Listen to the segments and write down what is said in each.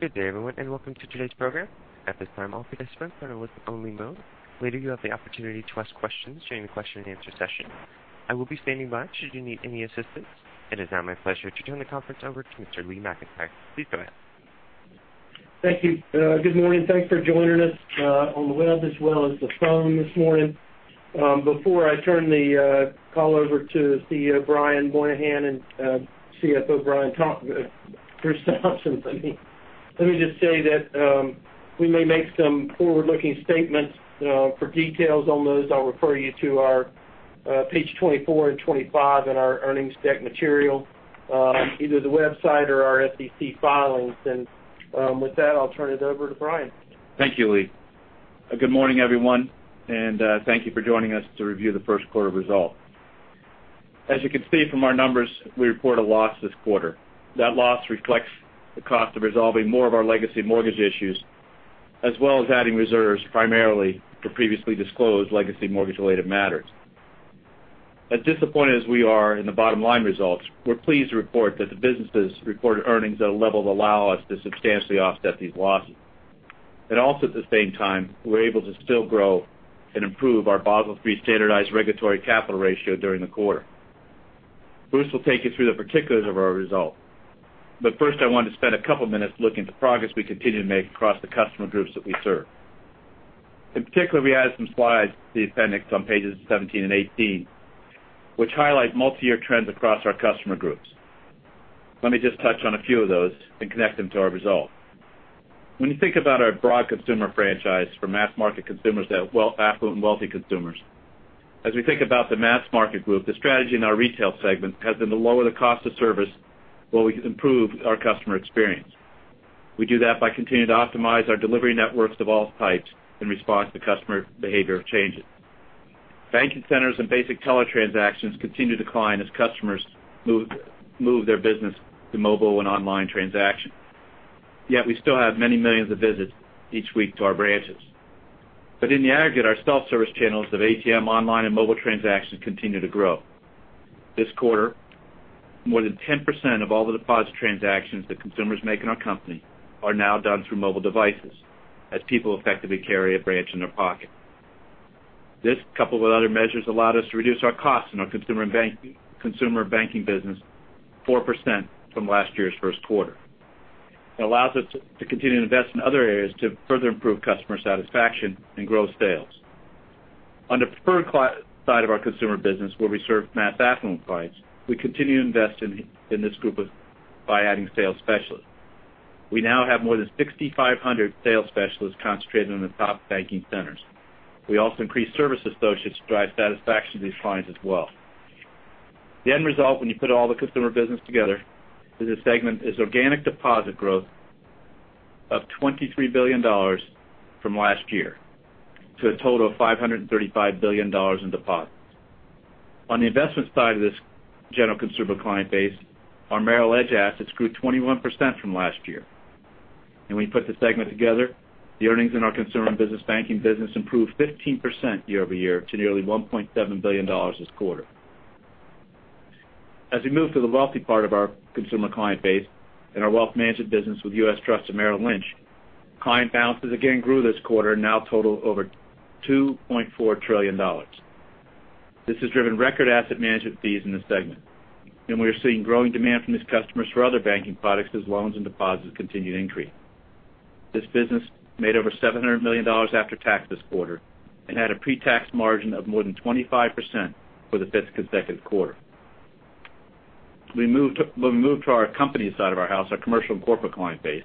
Good day, everyone. Welcome to today's program. At this time, all participants are in listen-only mode. Later, you'll have the opportunity to ask questions during the question-and-answer session. I will be standing by should you need any assistance. It is now my pleasure to turn the conference over to Mr. Lee McEntire. Please go ahead. Thank you. Good morning. Thanks for joining us on the web as well as the phone this morning. Before I turn the call over to CEO Brian Moynihan and CFO Bruce Thompson, let me just say that we may make some forward-looking statements. For details on those, I'll refer you to page 24 and 25 in our earnings deck material, either the website or our SEC filings. With that, I'll turn it over to Brian. Thank you, Lee. Good morning, everyone. Thank you for joining us to review the first quarter results. As you can see from our numbers, we report a loss this quarter. That loss reflects the cost of resolving more of our legacy mortgage issues, as well as adding reserves primarily for previously disclosed legacy mortgage-related matters. As disappointed as we are in the bottom-line results, we're pleased to report that the businesses reported earnings at a level that allow us to substantially offset these losses. Also at the same time, we're able to still grow and improve our Basel III standardized regulatory capital ratio during the quarter. Bruce will take you through the particulars of our results. First, I wanted to spend a couple of minutes looking at the progress we continue to make across the customer groups that we serve. In particular, we added some slides to the appendix on pages 17 and 18, which highlight multi-year trends across our customer groups. Let me just touch on a few of those and connect them to our results. When you think about our broad consumer franchise for mass market consumers to affluent and wealthy consumers, as we think about the mass market group, the strategy in our retail segment has been to lower the cost of service while we improve our customer experience. We do that by continuing to optimize our delivery networks of all types in response to customer behavior changes. Banking centers and basic teller transactions continue to decline as customers move their business to mobile and online transactions. Yet we still have many millions of visits each week to our branches. In the aggregate, our self-service channels of ATM, online, and mobile transactions continue to grow. This quarter, more than 10% of all the deposit transactions that consumers make in our company are now done through mobile devices, as people effectively carry a branch in their pocket. This, coupled with other measures, allowed us to reduce our costs in our Consumer Banking business 4% from last year's first quarter. It allows us to continue to invest in other areas to further improve customer satisfaction and grow sales. On the preferred client side of our consumer business, where we serve mass affluent clients, we continue to invest in this group by adding sales specialists. We now have more than 6,500 sales specialists concentrated in the top banking centers. We also increased service associates to drive satisfaction with these clients as well. The end result when you put all the customer business together for this segment is organic deposit growth of $23 billion from last year to a total of $535 billion in deposits. On the investment side of this general consumer client base, our Merrill Edge assets grew 21% from last year. When we put the segment together, the earnings in our Consumer and Business Banking business improved 15% year-over-year to nearly $1.7 billion this quarter. As we move to the wealthy part of our consumer client base in our wealth management business with U.S. Trust and Merrill Lynch, client balances again grew this quarter and now total over $2.4 trillion. This has driven record asset management fees in this segment. We are seeing growing demand from these customers for other banking products as loans and deposits continue to increase. This business made over $700 million after tax this quarter and had a pre-tax margin of more than 25% for the fifth consecutive quarter. When we move to our company side of our house, our commercial and corporate client base,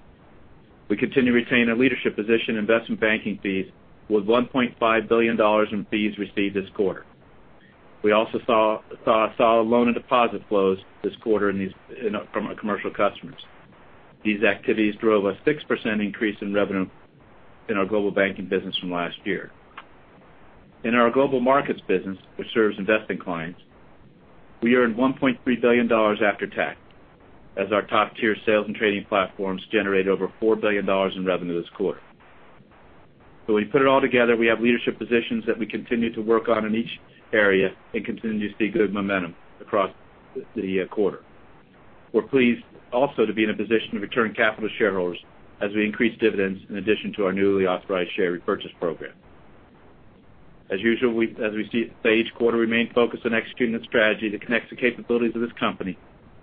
we continue to retain a leadership position in investment banking fees with $1.5 billion in fees received this quarter. We also saw loan and deposit flows this quarter from our commercial customers. These activities drove a 6% increase in revenue in our Global Banking business from last year. In our Global Markets business, which serves investing clients, we earned $1.3 billion after tax as our top-tier sales and trading platforms generated over $4 billion in revenue this quarter. When we put it all together, we have leadership positions that we continue to work on in each area and continue to see good momentum across the quarter. We're pleased also to be in a position to return capital to shareholders as we increase dividends in addition to our newly authorized share repurchase program. As usual, as we say each quarter, we remain focused on executing the strategy that connects the capabilities of this company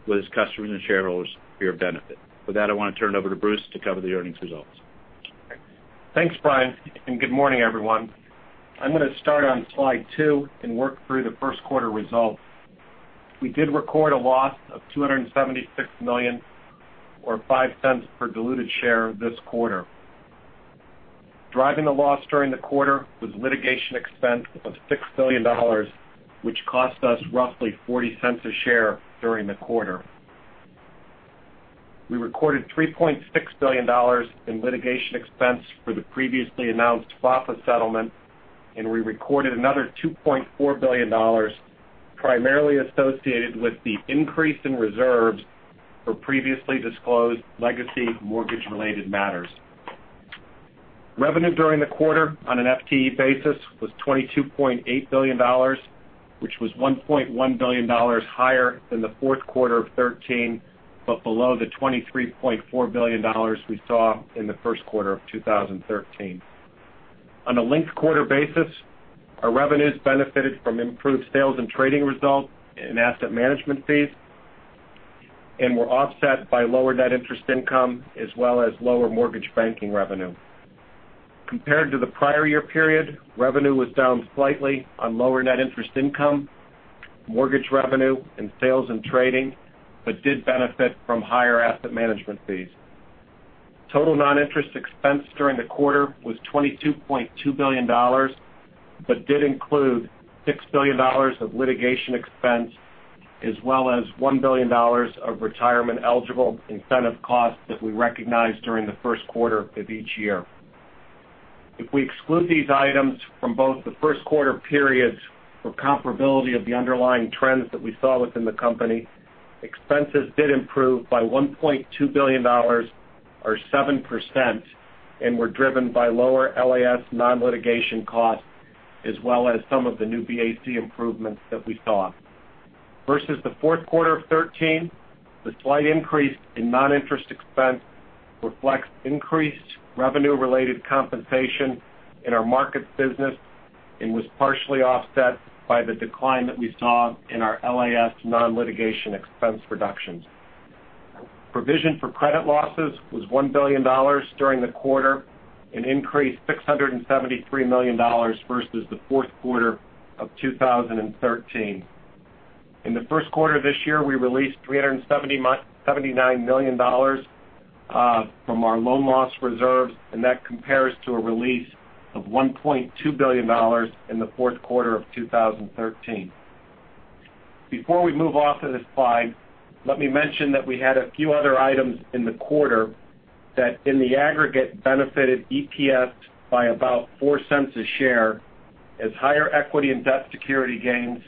with its customers and shareholders for your benefit. With that, I want to turn it over to Bruce to cover the earnings results. Thanks, Brian, and good morning, everyone. I'm going to start on slide two and work through the first quarter results. We did record a loss of $276 million or $0.05 per diluted share this quarter. Driving the loss during the quarter was litigation expense of $6 billion, which cost us roughly $0.40 a share during the quarter. We recorded $3.6 billion in litigation expense for the previously announced FHFA settlement, and we recorded another $2.4 billion primarily associated with the increase in reserves for previously disclosed legacy mortgage-related matters. Revenue during the quarter on an FTE basis was $22.8 billion, which was $1.1 billion higher than the fourth quarter of 2013, but below the $23.4 billion we saw in the first quarter of 2013. On a linked-quarter basis, our revenues benefited from improved sales and trading results in asset management fees and were offset by lower net interest income, as well as lower mortgage banking revenue. Compared to the prior year period, revenue was down slightly on lower net interest income, mortgage revenue, and sales and trading, but did benefit from higher asset management fees. Total non-interest expense during the quarter was $22.2 billion, but did include $6 billion of litigation expense, as well as $1 billion of retirement-eligible incentive costs that we recognized during the first quarter of each year. If we exclude these items from both the first quarter periods for comparability of the underlying trends that we saw within the company, expenses did improve by $1.2 billion, or 7%, and were driven by lower LAS non-litigation costs, as well as some of the New BAC improvements that we saw. Versus the fourth quarter of 2013, the slight increase in non-interest expense reflects increased revenue-related compensation in our Markets business and was partially offset by the decline that we saw in our LAS non-litigation expense reductions. Provision for credit losses was $1 billion during the quarter, an increase $673 million versus the fourth quarter of 2013. In the first quarter of this year, we released $379 million from our loan loss reserves, and that compares to a release of $1.2 billion in the fourth quarter of 2013. Before we move off of this slide, let me mention that we had a few other items in the quarter that in the aggregate benefited EPS by about $0.04 a share as higher equity and debt security gains,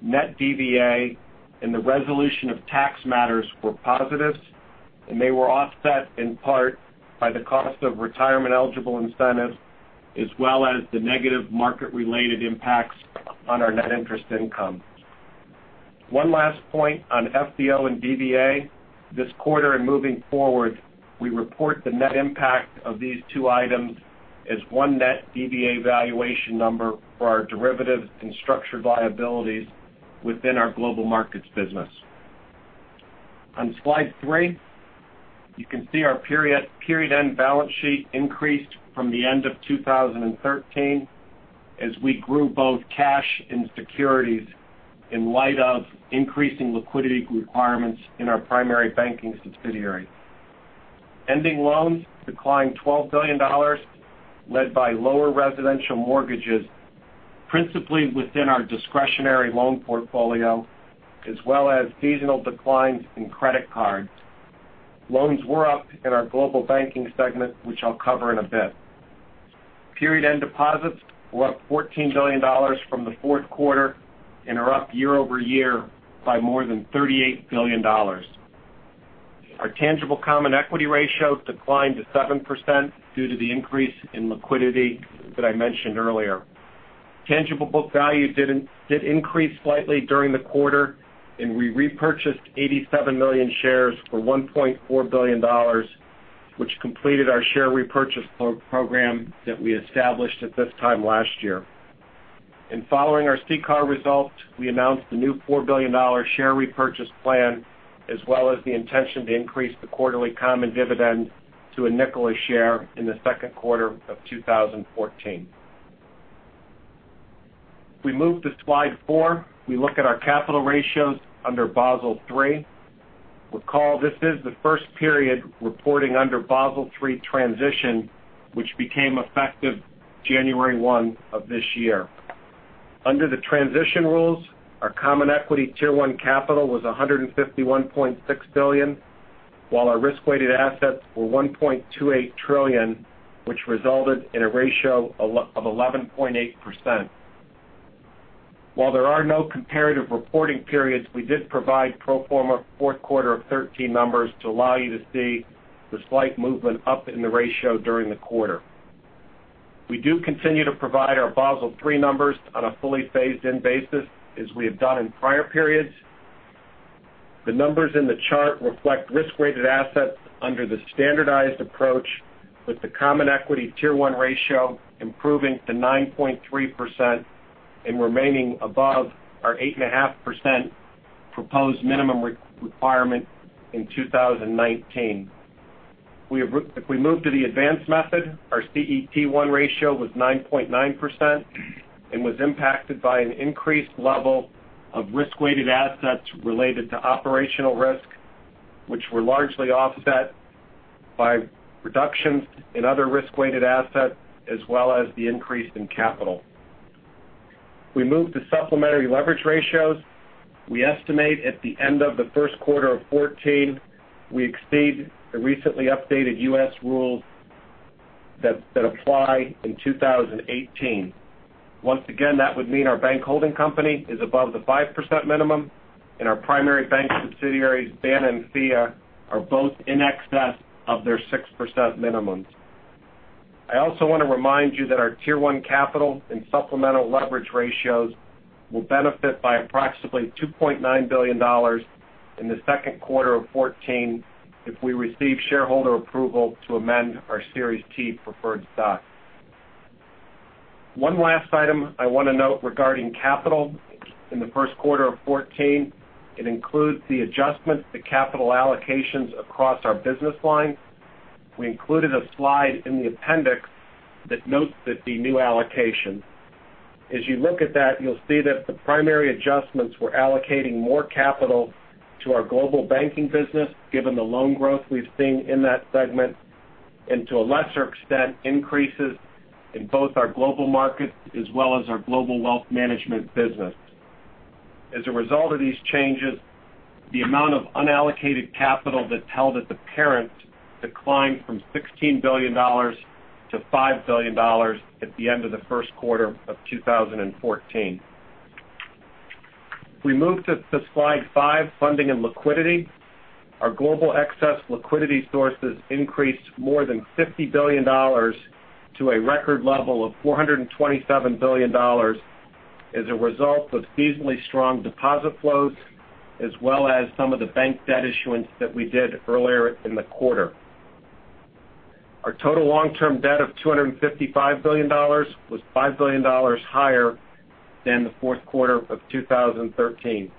net DVA, and the resolution of tax matters were positives, and they were offset in part by the cost of retirement-eligible incentives, as well as the negative market-related impacts on our net interest income. One last point on FVL and DVA. This quarter and moving forward, we report the net impact of these two items as one net DVA valuation number for our derivatives and structured liabilities within our Global Markets business. On slide three, you can see our period-end balance sheet increased from the end of 2013 as we grew both cash and securities in light of increasing liquidity requirements in our primary banking subsidiary. Ending loans declined $12 billion, led by lower residential mortgages, principally within our discretionary loan portfolio, as well as seasonal declines in credit cards. Loans were up in our Global Banking segment, which I'll cover in a bit. Period-end deposits were up $14 billion from the fourth quarter and are up year-over-year by more than $38 billion. Our tangible common equity ratio declined to 7% due to the increase in liquidity that I mentioned earlier. Tangible book value did increase slightly during the quarter, and we repurchased 87 million shares for $1.4 billion, which completed our share repurchase program that we established at this time last year. Following our CCAR result, we announced the new $4 billion share repurchase plan, as well as the intention to increase the quarterly common dividend to $0.05 a share in the second quarter of 2014. If we move to slide four, we look at our capital ratios under Basel III. Recall, this is the first period reporting under Basel III transition, which became effective January 1 of this year. Under the transition rules, our common equity Tier 1 capital was $151.6 billion, while our risk-weighted assets were $1.28 trillion, which resulted in a ratio of 11.8%. While there are no comparative reporting periods, we did provide pro forma fourth quarter of 2013 numbers to allow you to see the slight movement up in the ratio during the quarter. We do continue to provide our Basel III numbers on a fully phased-in basis, as we have done in prior periods. The numbers in the chart reflect risk-weighted assets under the standardized approach, with the common equity Tier 1 ratio improving to 9.3% and remaining above our 8.5% proposed minimum requirement in 2019. If we move to the advanced method, our CET1 ratio was 9.9% and was impacted by an increased level of risk-weighted assets related to operational risk, which were largely offset by reductions in other risk-weighted assets, as well as the increase in capital. If we move to supplementary leverage ratios, we estimate at the end of the first quarter of 2014, we exceed the recently updated U.S. rules that apply in 2018. Once again, that would mean our bank holding company is above the 5% minimum, and our primary bank subsidiaries, BANA and FIA, are both in excess of their 6% minimums. I also want to remind you that our Tier 1 capital and supplemental leverage ratios will benefit by approximately $2.9 billion in the second quarter of 2014 if we receive shareholder approval to amend our Series TT preferred stock. One last item I want to note regarding capital in the first quarter of 2014. It includes the adjustments to capital allocations across our business lines. We included a slide in the appendix that notes that the new allocation. As you look at that, you'll see that the primary adjustments were allocating more capital to our Global Banking business, given the loan growth we've seen in that segment, and to a lesser extent, increases in both our Global Markets as well as our Global Wealth Management business. As a result of these changes, the amount of unallocated capital that's held at the parent declined from $16 billion to $5 billion at the end of the first quarter of 2014. If we move to slide five, funding and liquidity. Our global excess liquidity sources increased more than $50 billion to a record level of $427 billion as a result of seasonally strong deposit flows, as well as some of the bank debt issuance that we did earlier in the quarter. Our total long-term debt of $255 billion was $5 billion higher than the fourth quarter of 2013.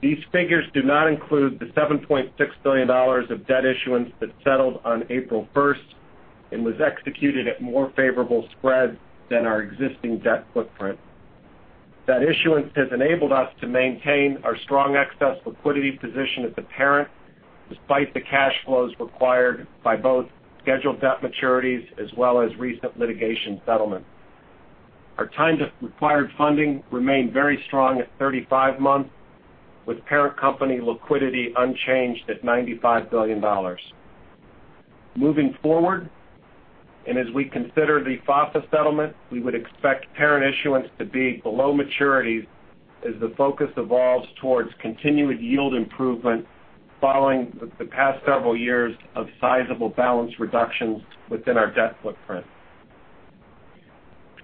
These figures do not include the $7.6 billion of debt issuance that settled on April 1st and was executed at more favorable spreads than our existing debt footprint. That issuance has enabled us to maintain our strong excess liquidity position at the parent, despite the cash flows required by both scheduled debt maturities as well as recent litigation settlements. Our time required funding remained very strong at 35 months, with parent company liquidity unchanged at $95 billion. Moving forward, as we consider the FHFA settlement, we would expect parent issuance to be below maturity as the focus evolves towards continued yield improvement following the past several years of sizable balance reductions within our debt footprint.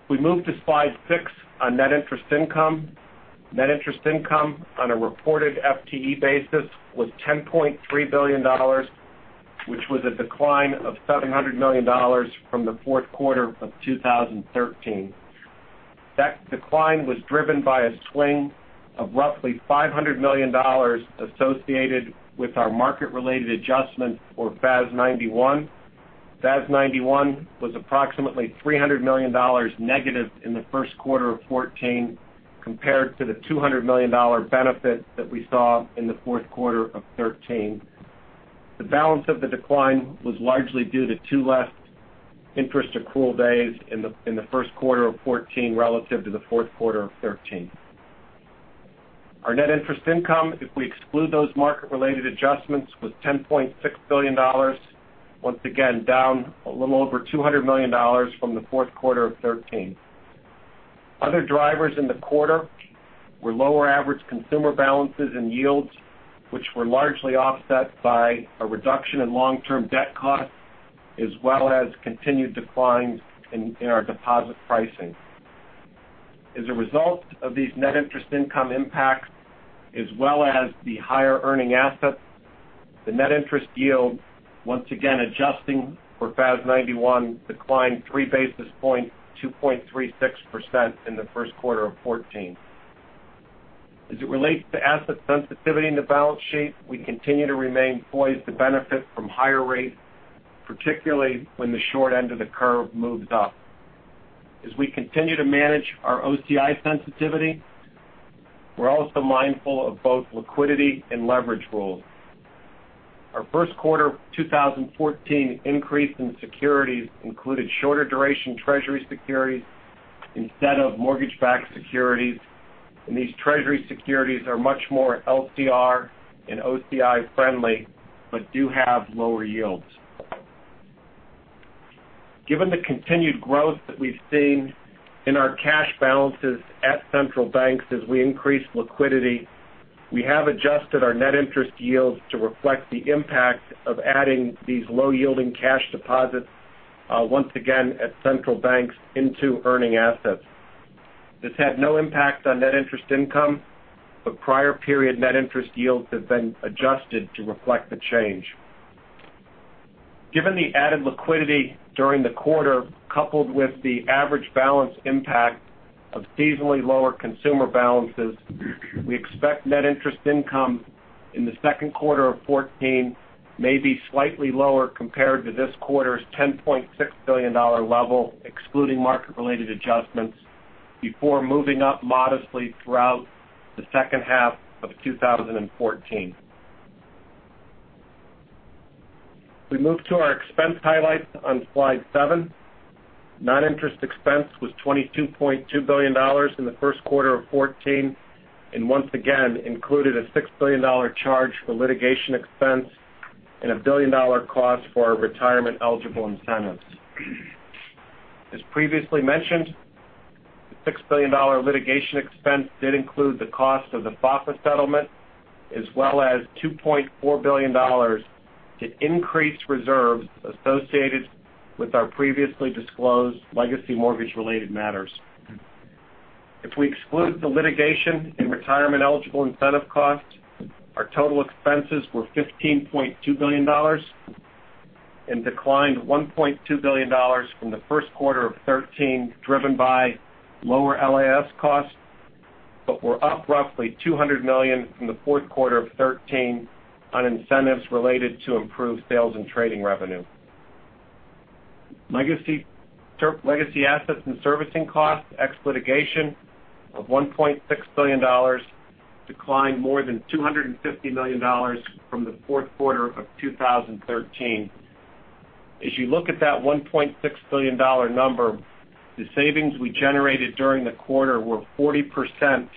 If we move to slide six on net interest income. Net interest income on a reported FTE basis was $10.3 billion, which was a decline of $700 million from the fourth quarter of 2013. That decline was driven by a swing of roughly $500 million associated with our market-related adjustments for FAS 91. FAS 91 was approximately $300 million negative in the first quarter of 2014 compared to the $200 million benefit that we saw in the fourth quarter of 2013. The balance of the decline was largely due to two less interest accrual days in the first quarter of 2014 relative to the fourth quarter of 2013. Our net interest income, if we exclude those market-related adjustments, was $10.6 billion, once again, down a little over $200 million from the fourth quarter of 2013. Other drivers in the quarter were lower average consumer balances and yields, which were largely offset by a reduction in long-term debt costs, as well as continued declines in our deposit pricing. As a result of these net interest income impacts, as well as the higher earning assets, the net interest yield, once again adjusting for FAS 91, declined three basis points, 2.36% in the first quarter of 2014. As it relates to asset sensitivity in the balance sheet, we continue to remain poised to benefit from higher rates, particularly when the short end of the curve moves up. As we continue to manage our OCI sensitivity, we are also mindful of both liquidity and leverage rules. Our first quarter of 2014 increase in securities included shorter duration Treasury securities instead of mortgage-backed securities. These Treasury securities are much more LCR and OCI friendly but do have lower yields. Given the continued growth that we have seen in our cash balances at central banks as we increase liquidity, we have adjusted our net interest yields to reflect the impact of adding these low-yielding cash deposits, once again at central banks, into earning assets. This had no impact on net interest income. Prior period net interest yields have been adjusted to reflect the change. Given the added liquidity during the quarter, coupled with the average balance impact of seasonally lower consumer balances, we expect net interest income in the second quarter of 2014 may be slightly lower compared to this quarter's $10.6 billion level, excluding market-related adjustments, before moving up modestly throughout the second half of 2014. If we move to our expense highlights on slide seven. Non-interest expense was $22.2 billion in the first quarter of 2014, once again included a $6 billion charge for litigation expense and a billion-dollar cost for our retirement-eligible incentives. As previously mentioned, the $6 billion litigation expense did include the cost of the FACA settlement as well as $2.4 billion to increase reserves associated with our previously disclosed legacy mortgage-related matters. If we exclude the litigation and retirement-eligible incentive costs, our total expenses were $15.2 billion and declined $1.2 billion from the first quarter of 2013, driven by lower LAS costs, but were up roughly $200 million from the fourth quarter of 2013 on incentives related to improved sales and trading revenue. Legacy Assets and Servicing costs, ex litigation of $1.6 billion, declined more than $250 million from the fourth quarter of 2013. As you look at that $1.6 billion number, the savings we generated during the quarter were 40%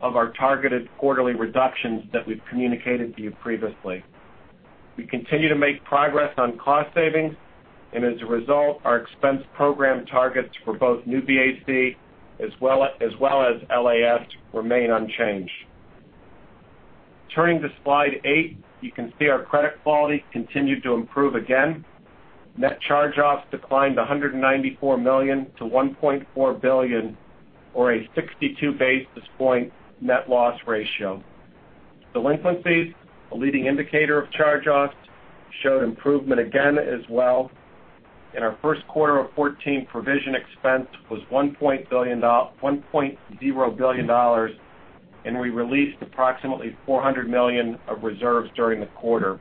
of our targeted quarterly reductions that we've communicated to you previously. We continue to make progress on cost savings, and as a result, our expense program targets for both New BAC as well as LAS remain unchanged. Turning to slide eight, you can see our credit quality continued to improve again. Net charge-offs declined to $194 million to $1.4 billion or a 62-basis point net loss ratio. Delinquencies, a leading indicator of charge-offs, showed improvement again as well. In our first quarter of 2014, provision expense was $1.0 billion, and we released approximately $400 million of reserves during the quarter.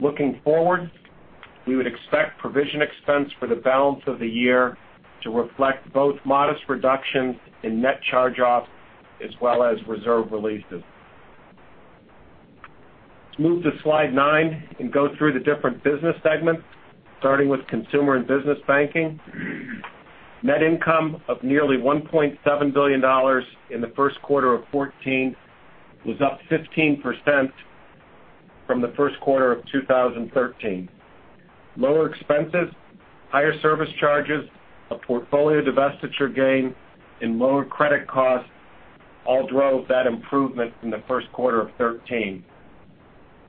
Looking forward, we would expect provision expense for the balance of the year to reflect both modest reductions in net charge-offs as well as reserve releases. Let's move to slide nine and go through the different business segments, starting with Consumer and Business Banking. Net income of nearly $1.7 billion in the first quarter of 2014 was up 15% from the first quarter of 2013. Lower expenses, higher service charges, a portfolio divestiture gain, and lower credit costs all drove that improvement from the first quarter of 2013.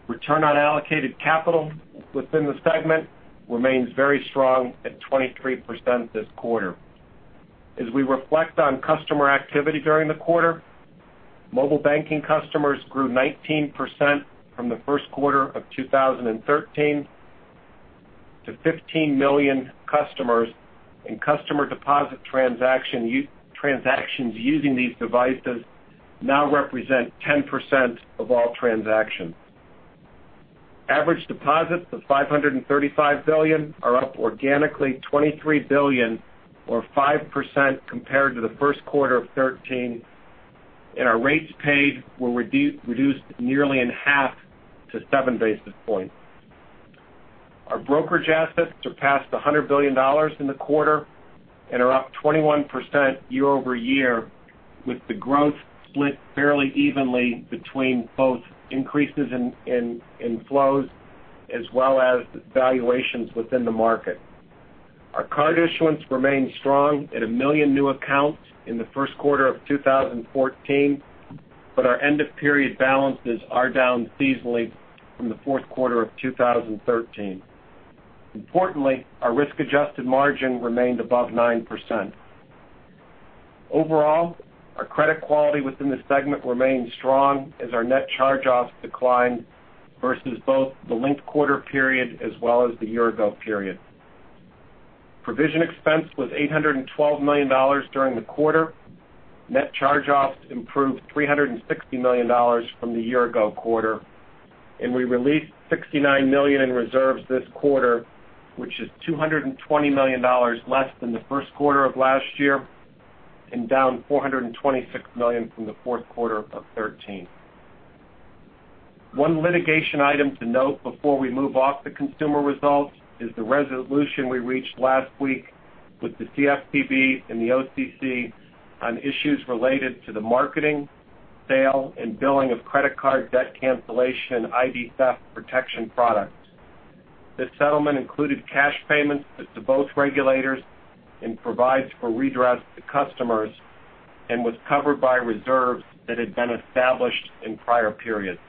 Return on allocated capital within the segment remains very strong at 23% this quarter. As we reflect on customer activity during the quarter, mobile banking customers grew 19% from the first quarter of 2013 to 15 million customers. Customer deposit transactions using these devices now represent 10% of all transactions. Average deposits of $535 billion are up organically $23 billion or 5% compared to the first quarter of 2013, and our rates paid were reduced nearly in half to seven basis points. Our brokerage assets surpassed $100 billion in the quarter and are up 21% year-over-year with the growth split fairly evenly between both increases in flows as well as valuations within the market. Our card issuance remains strong at 1 million new accounts in the first quarter of 2014, but our end-of-period balances are down seasonally from the fourth quarter of 2013. Importantly, our risk-adjusted margin remained above 9%. Overall, our credit quality within the segment remains strong as our net charge-offs decline versus both the linked quarter period as well as the year-ago period. Provision expense was $812 million during the quarter. Net charge-offs improved $360 million from the year-ago quarter, and we released $69 million in reserves this quarter, which is $220 million less than the first quarter of last year and down $426 million from the fourth quarter of 2013. One litigation item to note before we move off the consumer results is the resolution we reached last week with the CFPB and the OCC on issues related to the marketing, sale, and billing of credit card debt cancellation ID theft protection products. This settlement included cash payments to both regulators and provides for redress to customers and was covered by reserves that had been established in prior periods.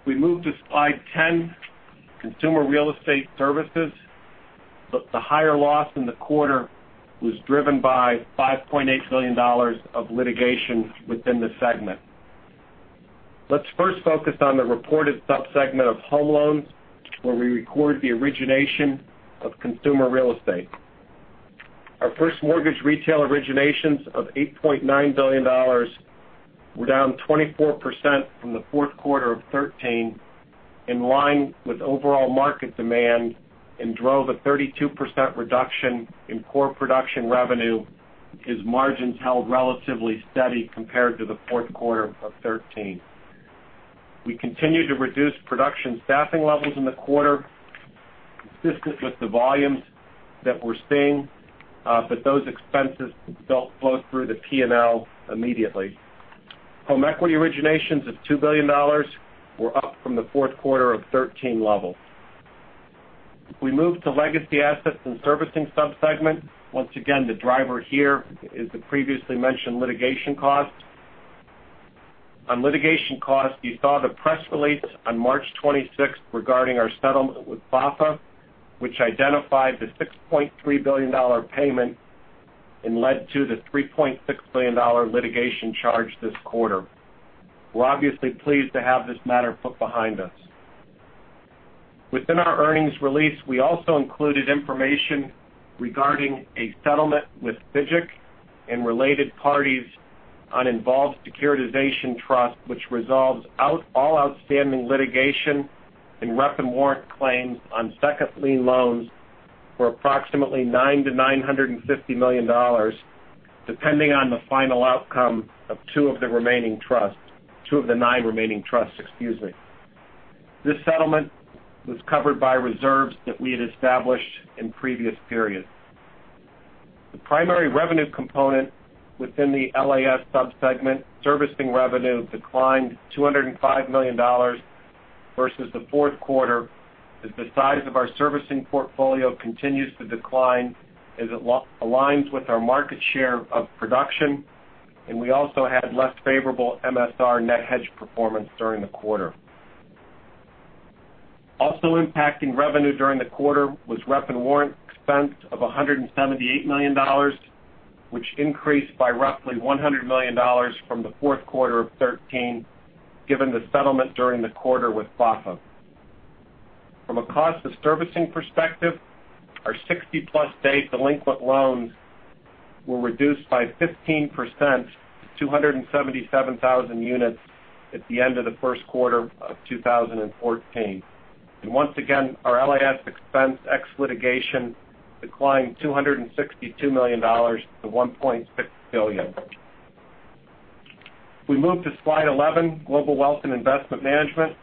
If we move to slide 10, consumer real estate services. The higher loss in the quarter was driven by $5.8 million of litigation within the segment. Let's first focus on the reported sub-segment of home loans, where we record the origination of consumer real estate. Our first mortgage retail originations of $8.9 billion were down 24% from the fourth quarter of 2013, in line with overall market demand and drove a 32% reduction in core production revenue as margins held relatively steady compared to the fourth quarter of 2013. We continued to reduce production staffing levels in the quarter consistent with the volumes that we're seeing, but those expenses don't flow through the P&L immediately. Home equity originations is $2 billion. We're up from the fourth quarter of 2013 level. If we move to legacy assets and servicing sub-segment, once again, the driver here is the previously mentioned litigation costs. On litigation costs, you saw the press release on March 26th regarding our settlement with FHFA, which identified the $6.3 billion payment and led to the $3.6 billion litigation charge this quarter. We're obviously pleased to have this matter put behind us. Within our earnings release, we also included information regarding a settlement with FGIC and related parties on involved securitization trust, which resolves all outstanding litigation and rep and warrant claims on second lien loans for approximately $900 million-$950 million, depending on the final outcome of two of the remaining trusts. Two of the nine remaining trusts, excuse me. This settlement was covered by reserves that we had established in previous periods. The primary revenue component within the LAS sub-segment servicing revenue declined $205 million versus the fourth quarter as the size of our servicing portfolio continues to decline as it aligns with our market share of production. We also had less favorable MSR net hedge performance during the quarter. Also impacting revenue during the quarter was rep and warrant expense of $178 million, which increased by roughly $100 million from the fourth quarter of 2013, given the settlement during the quarter with FHFA. From a cost of servicing perspective, our 60-plus day delinquent loans were reduced by 15% to 277,000 units at the end of the first quarter of 2014. Once again, our LAS expense ex litigation declined $262 million to $1.6 billion. We move to slide 11, Global Wealth and Investment Management.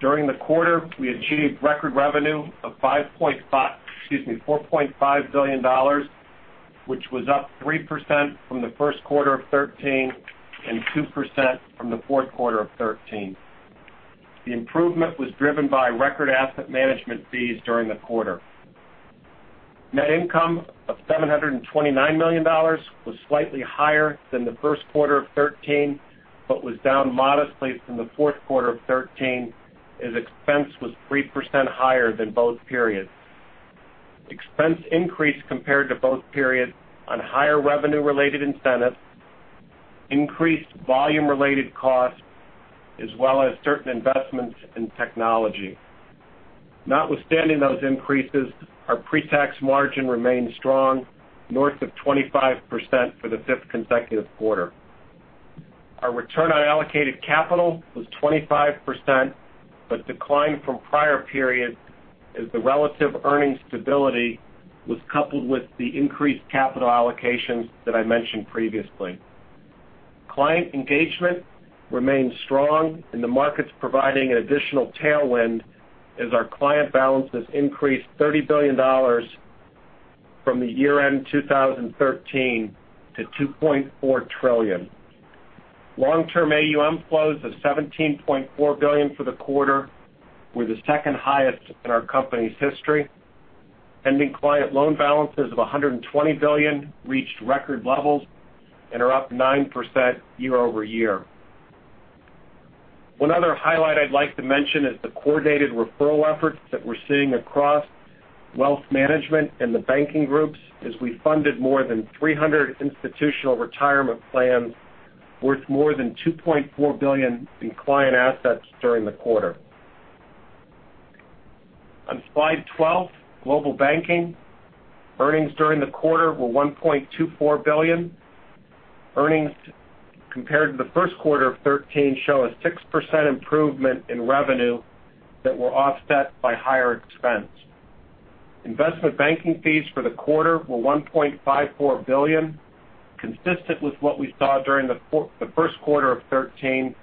During the quarter, we achieved record revenue of $4.5 billion, which was up 3% from the first quarter of 2013 and 2% from the fourth quarter of 2013. The improvement was driven by record asset management fees during the quarter. Net income of $729 million was slightly higher than the first quarter of 2013, but was down modestly from the fourth quarter of 2013, as expense was 3% higher than both periods. Expense increased compared to both periods on higher revenue-related incentives, increased volume-related costs, as well as certain investments in technology. Notwithstanding those increases, our pre-tax margin remained strong, north of 25% for the fifth consecutive quarter. Our return on allocated capital was 25%, but declined from prior periods as the relative earnings stability was coupled with the increased capital allocations that I mentioned previously. Client engagement remained strong in the markets providing an additional tailwind as our client balances increased $30 billion from the year-end 2013 to $2.4 trillion. Long-term AUM flows of $17.4 billion for the quarter were the second highest in our company's history. Pending client loan balances of $120 billion reached record levels and are up 9% year-over-year. One other highlight I'd like to mention is the coordinated referral efforts that we're seeing across wealth management and the banking groups as we funded more than 300 institutional retirement plans worth more than $2.4 billion in client assets during the quarter. On slide 12, Global Banking. Earnings during the quarter were $1.24 billion. Earnings compared to the first quarter of 2013 show a 6% improvement in revenue that were offset by higher expense. Investment banking fees for the quarter were $1.54 billion, consistent with what we saw during the first quarter of 2013,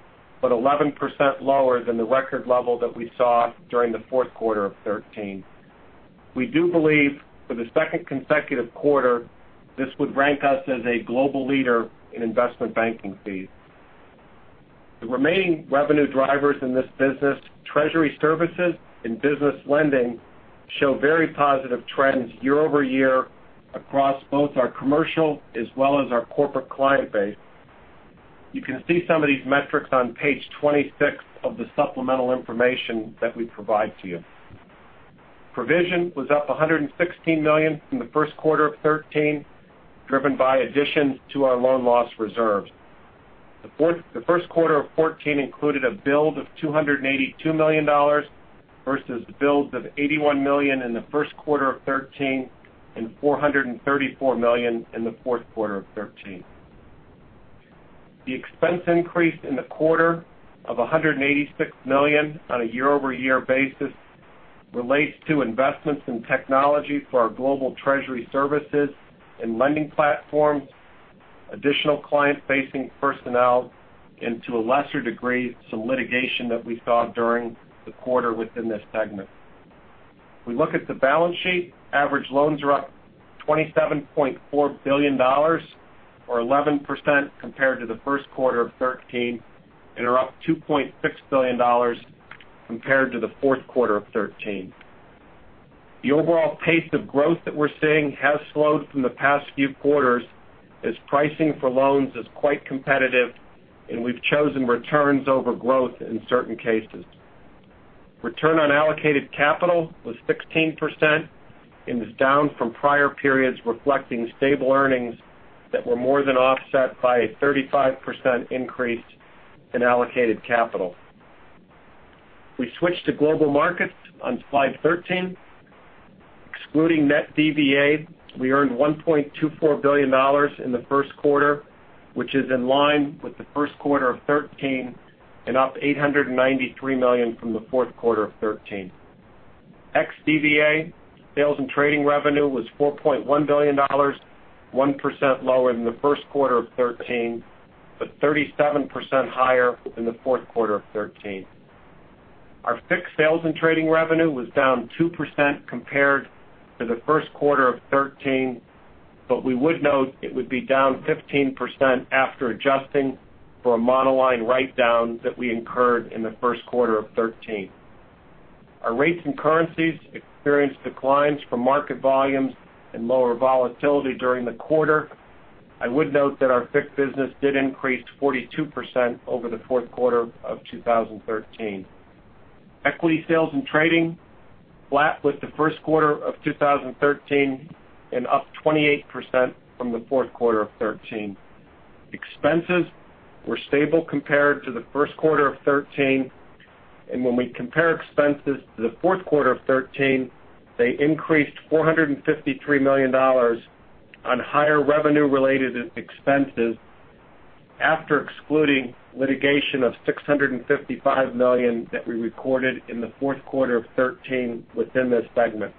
but 11% lower than the record level that we saw during the fourth quarter of 2013. We do believe for the second consecutive quarter, this would rank us as a global leader in investment banking fees. The remaining revenue drivers in this business, treasury services and business lending, show very positive trends year-over-year across both our commercial as well as our corporate client base. You can see some of these metrics on page 26 of the supplemental information that we provide to you. Provision was up $116 million from the first quarter of 2013, driven by additions to our loan loss reserves. The first quarter of 2014 included a build of $282 million versus builds of $81 million in the first quarter of 2013 and $434 million in the fourth quarter of 2013. The expense increase in the quarter of $186 million on a year-over-year basis relates to investments in technology for our global treasury services and lending platforms, additional client-facing personnel, and to a lesser degree, some litigation that we saw during the quarter within this segment. If we look at the balance sheet, average loans are up $27.4 billion, or 11% compared to the first quarter of 2013, and are up $2.6 billion compared to the fourth quarter of 2013. The overall pace of growth that we're seeing has slowed from the past few quarters as pricing for loans is quite competitive, and we've chosen returns over growth in certain cases. Return on allocated capital was 16%, and is down from prior periods reflecting stable earnings that were more than offset by a 35% increase in allocated capital. We switch to Global Markets on slide 13. Excluding net DVA, we earned $1.24 billion in the first quarter, which is in line with the first quarter of 2013, and up $893 million from the fourth quarter of 2013. Ex DVA, sales and trading revenue was $4.1 billion, 1% lower than the first quarter of 2013, but 37% higher than the fourth quarter of 2013. Our FICC sales and trading revenue was down 2% compared to the first quarter of 2013. We would note it would be down 15% after adjusting for a monoline write-down that we incurred in the first quarter of 2013. Our rates and currencies experienced declines from market volumes and lower volatility during the quarter. I would note that our FICC business did increase 42% over the fourth quarter of 2013. Equity sales and trading, flat with the first quarter of 2013 and up 28% from the fourth quarter of 2013. Expenses were stable compared to the first quarter of 2013. When we compare expenses to the fourth quarter of 2013, they increased $453 million on higher revenue related expenses after excluding litigation of $655 million that we recorded in the fourth quarter of 2013 within this segment.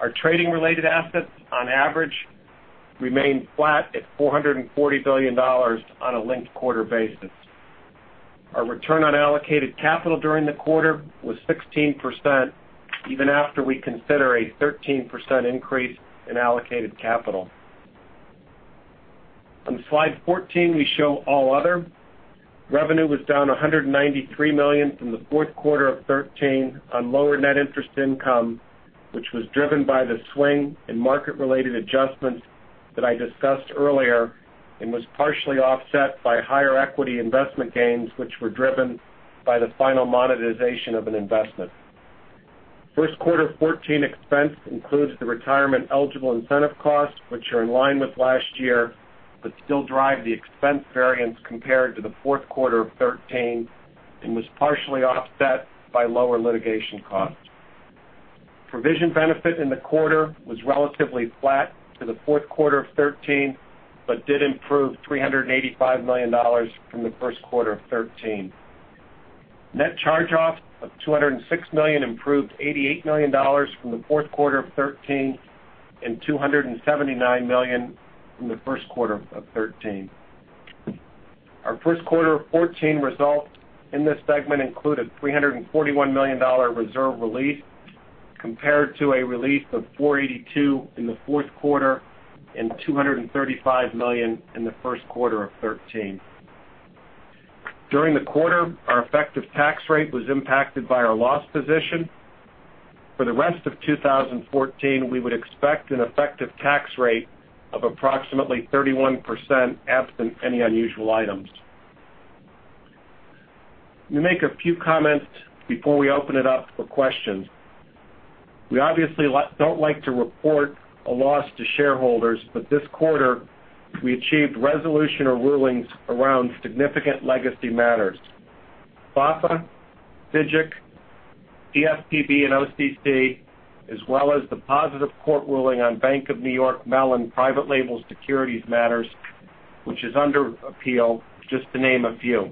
Our trading related assets, on average, remained flat at $440 billion on a linked-quarter basis. Our return on allocated capital during the quarter was 16%, even after we consider a 13% increase in allocated capital. On slide 14, we show All Other. Revenue was down $193 million from the fourth quarter of 2013 on lower net interest income, which was driven by the swing in market-related adjustments that I discussed earlier and was partially offset by higher equity investment gains, which were driven by the final monetization of an investment. First quarter 2014 expense includes the retirement eligible incentive costs, which are in line with last year, but still drive the expense variance compared to the fourth quarter of 2013 and was partially offset by lower litigation costs. Provision benefit in the quarter was relatively flat to the fourth quarter of 2013. It did improve $385 million from the first quarter of 2013. Net charge-off of $206 million improved $88 million from the fourth quarter of 2013, and $279 million from the first quarter of 2013. Our first quarter 2014 results in this segment included a $341 million reserve release compared to a release of $482 million in the fourth quarter and $235 million in the first quarter of 2013. During the quarter, our effective tax rate was impacted by our loss position. For the rest of 2014, we would expect an effective tax rate of approximately 31% absent any unusual items. Let me make a few comments before we open it up for questions. We obviously don't like to report a loss to shareholders. This quarter, we achieved resolution or rulings around significant legacy matters. FHFA, FDIC, CFPB, and OCC, as well as the positive court ruling on Bank of New York Mellon private label securities matters, which is under appeal, just to name a few.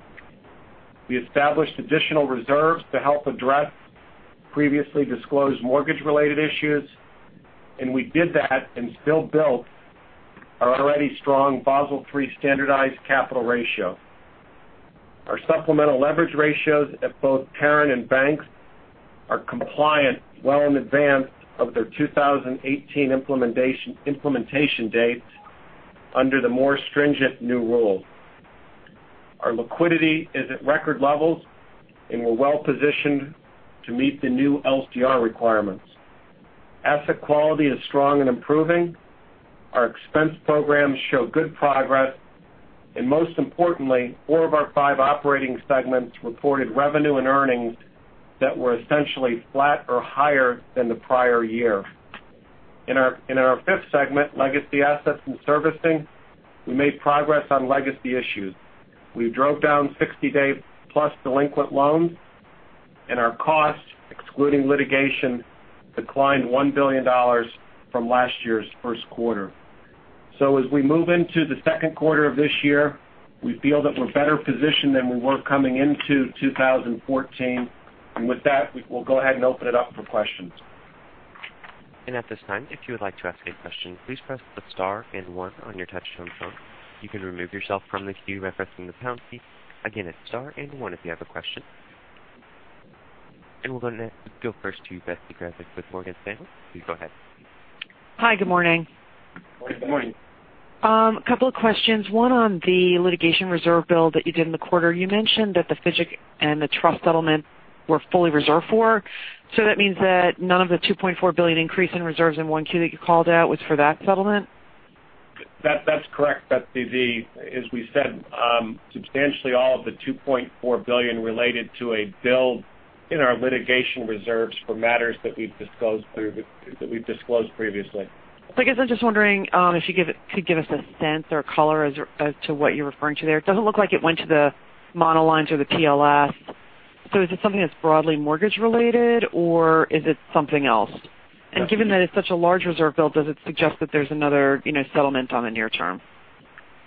We established additional reserves to help address previously disclosed mortgage-related issues, and we did that and still built our already strong Basel III standardized capital ratio. Our supplemental leverage ratios at both parent and banks are compliant well in advance of their 2018 implementation dates under the more stringent new rules. Our liquidity is at record levels. We're well-positioned to meet the new LCR requirements. Asset quality is strong and improving. Our expense programs show good progress. Most importantly, four of our five operating segments reported revenue and earnings that were essentially flat or higher than the prior year. In our fifth segment, Legacy Assets and Servicing, we made progress on legacy issues. We drove down 60-day plus delinquent loans, and our costs, excluding litigation, declined $1 billion from last year's first quarter. As we move into the second quarter of this year, we feel that we're better positioned than we were coming into 2014. With that, we'll go ahead and open it up for questions. At this time, if you would like to ask a question, please press the star and one on your touchtone phone. You can remove yourself from the queue by pressing the pound key. Again, it's star and one if you have a question. We're going to go first to Betsy Graseck with Morgan Stanley. Please go ahead. Hi, good morning. Good morning. A couple of questions. One on the litigation reserve build that you did in the quarter. You mentioned that the FGIC and the trust settlement were fully reserved for. That means that none of the $2.4 billion increase in reserves in 1Q that you called out was for that settlement? That's correct, Betsy. As we said, substantially all of the $2.4 billion related to a build in our litigation reserves for matters that we've disclosed previously. I guess I'm just wondering if you could give us a sense or color as to what you're referring to there. It doesn't look like it went to the monolines or the PLS. Is it something that's broadly mortgage related or is it something else? Yes. Given that it's such a large reserve build, does it suggest that there's another settlement on the near term?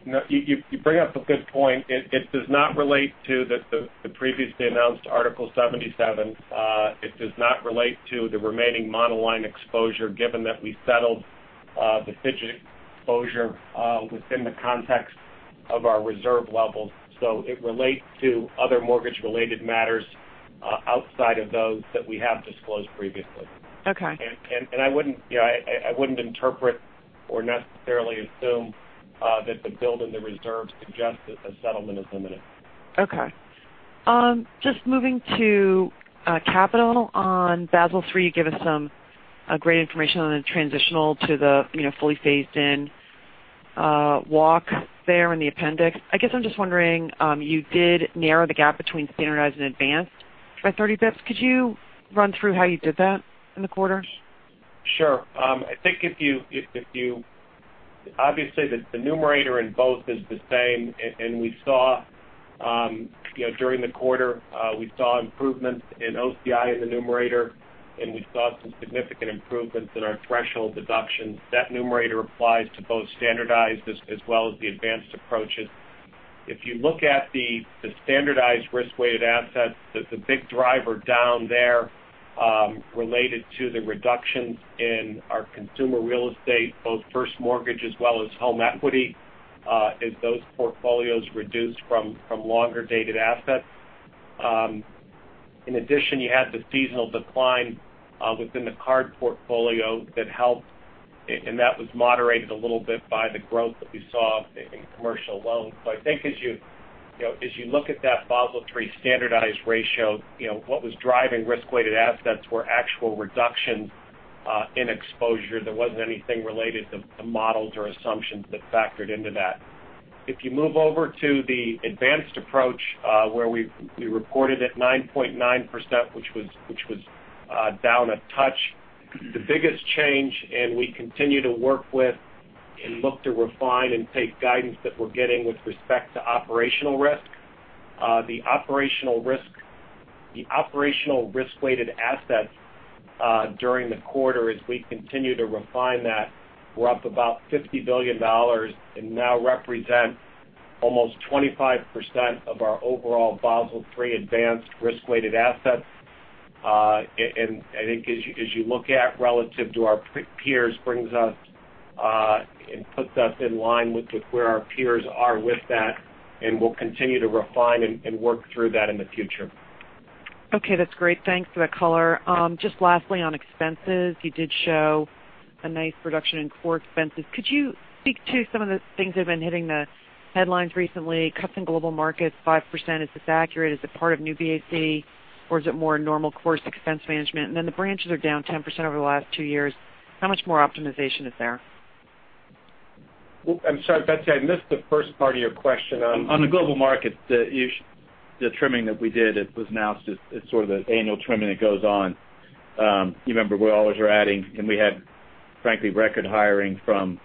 No. You bring up a good point. It does not relate to the previously announced Article 77. It does not relate to the remaining monoline exposure, given that we settled the FGIC exposure within the context of our reserve levels. It relates to other mortgage-related matters outside of those that we have disclosed previously. Okay. I wouldn't interpret or necessarily assume that the build in the reserves suggests that a settlement is imminent. Okay. Just moving to capital. On Basel III, you give us some great information on the transitional to the fully phased in walk there in the appendix. I guess I'm just wondering, you did narrow the gap between standardized and advanced by 30 basis points. Could you run through how you did that in the quarter? Sure. Obviously, the numerator in both is the same. During the quarter, we saw improvements in OCI in the numerator, and we saw some significant improvements in our threshold deductions. That numerator applies to both standardized as well as the advanced approaches. If you look at the standardized risk-weighted assets, the big driver down there related to the reductions in our consumer real estate, both first mortgage as well as home equity as those portfolios reduced from longer-dated assets. In addition, you had the seasonal decline within the card portfolio that helped, and that was moderated a little bit by the growth that we saw in commercial loans. I think as you look at that Basel III standardized ratio, what was driving risk-weighted assets were actual reductions in exposure. There wasn't anything related to the models or assumptions that factored into that. If you move over to the advanced approach, where we reported at 9.9%, which was down a touch, the biggest change, we continue to work with and look to refine and take guidance that we're getting with respect to operational risk. The operational risk-weighted assets during the quarter as we continue to refine that were up about $50 billion and now represent almost 25% of our overall Basel III advanced risk-weighted assets. I think as you look at relative to our peers, brings us and puts us in line with where our peers are with that, and we'll continue to refine and work through that in the future. Okay, that's great. Thanks for that color. Just lastly on expenses, you did show a nice reduction in core expenses. Could you speak to some of the things that have been hitting the headlines recently? Cuts in Global Markets 5%. Is this accurate? Is it part of New BAC or is it more normal course expense management? Then the branches are down 10% over the last two years. How much more optimization is there? I'm sorry, Betsy, I missed the first part of your question on- On the Global Markets, the trimming that we did, it was announced as sort of the annual trimming that goes on. You remember we always are adding, we had, frankly, record hiring from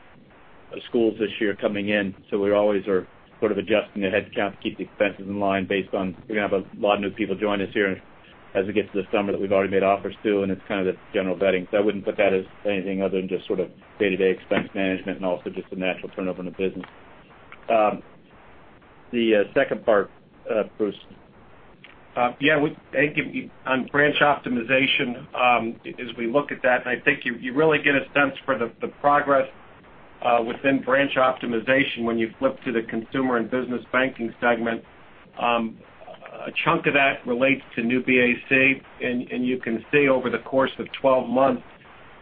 schools this year coming in. We always are sort of adjusting the headcount to keep the expenses in line based on we're going to have a lot of new people join us here as we get to the summer that we've already made offers to, it's kind of the general vetting. I wouldn't put that as anything other than just sort of day-to-day expense management and also just the natural turnover in the business. The second part, Bruce. Yeah. On branch optimization, as we look at that, and I think you really get a sense for the progress within branch optimization when you flip to the Consumer and Business Banking Segment. A chunk of that relates to New BAC, and you can see over the course of 12 months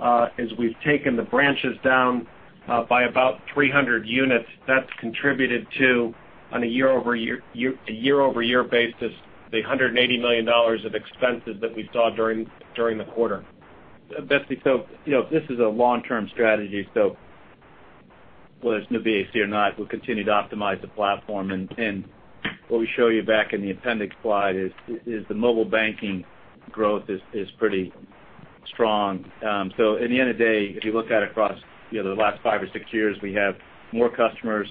as we've taken the branches down by about 300 units. That's contributed to, on a year-over-year basis, the $180 million of expenses that we saw during the quarter. Betsy, this is a long-term strategy. Whether it's New BAC or not, we'll continue to optimize the platform. What we show you back in the appendix slide is the mobile banking growth is pretty strong. At the end of the day, if you look at across the last five or six years, we have more customers,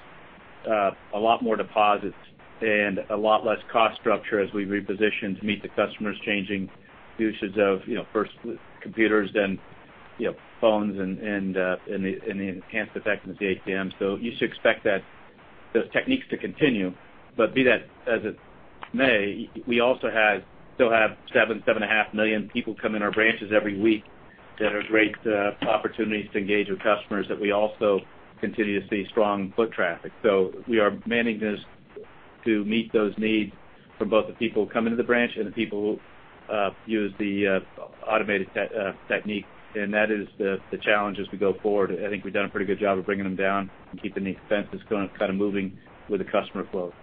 a lot more deposits, and a lot less cost structure as we reposition to meet the customers' changing usage of first computers, then phones and the enhanced effectiveness of ATMs. You should expect that Those techniques to continue. Be that as it may, we also still have seven and a half million people come in our branches every week. There's great opportunities to engage with customers that we also continue to see strong foot traffic. We are manning this to meet those needs for both the people coming to the branch and the people who use the automated technique. That is the challenge as we go forward. I think we've done a pretty good job of bringing them down and keeping the expenses kind of moving with the customer flow.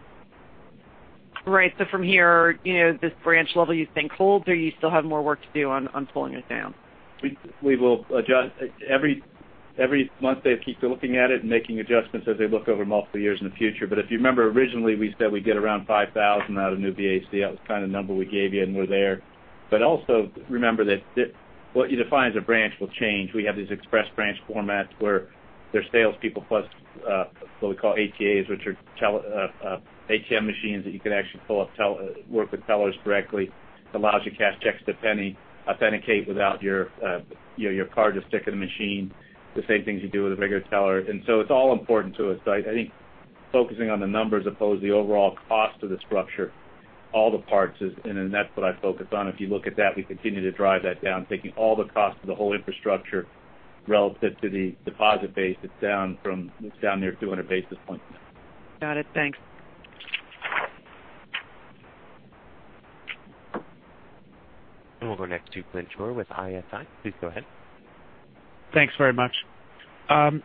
Right. From here, this branch level you think holds or you still have more work to do on pulling it down? Every month they keep looking at it and making adjustments as they look over multiple years in the future. If you remember originally we said we'd get around 5,000 out of New BAC. That was kind of the number we gave you, and we're there. Also remember that what you define as a branch will change. We have these express branch formats where there's salespeople plus what we call ATMs, which are ATM machines that you can actually work with tellers directly. It allows you to cash checks, depending, authenticate without your card. Just stick in the machine the same things you do with a regular teller. It's all important to us. I think focusing on the numbers as opposed to the overall cost of the structure, all the parts, and that's what I focus on. If you look at that, we continue to drive that down. Taking all the cost of the whole infrastructure relative to the deposit base, it's down near 200 basis points now. Got it. Thanks. We'll go next to Glenn Schorr with ISI. Please go ahead. Thanks very much.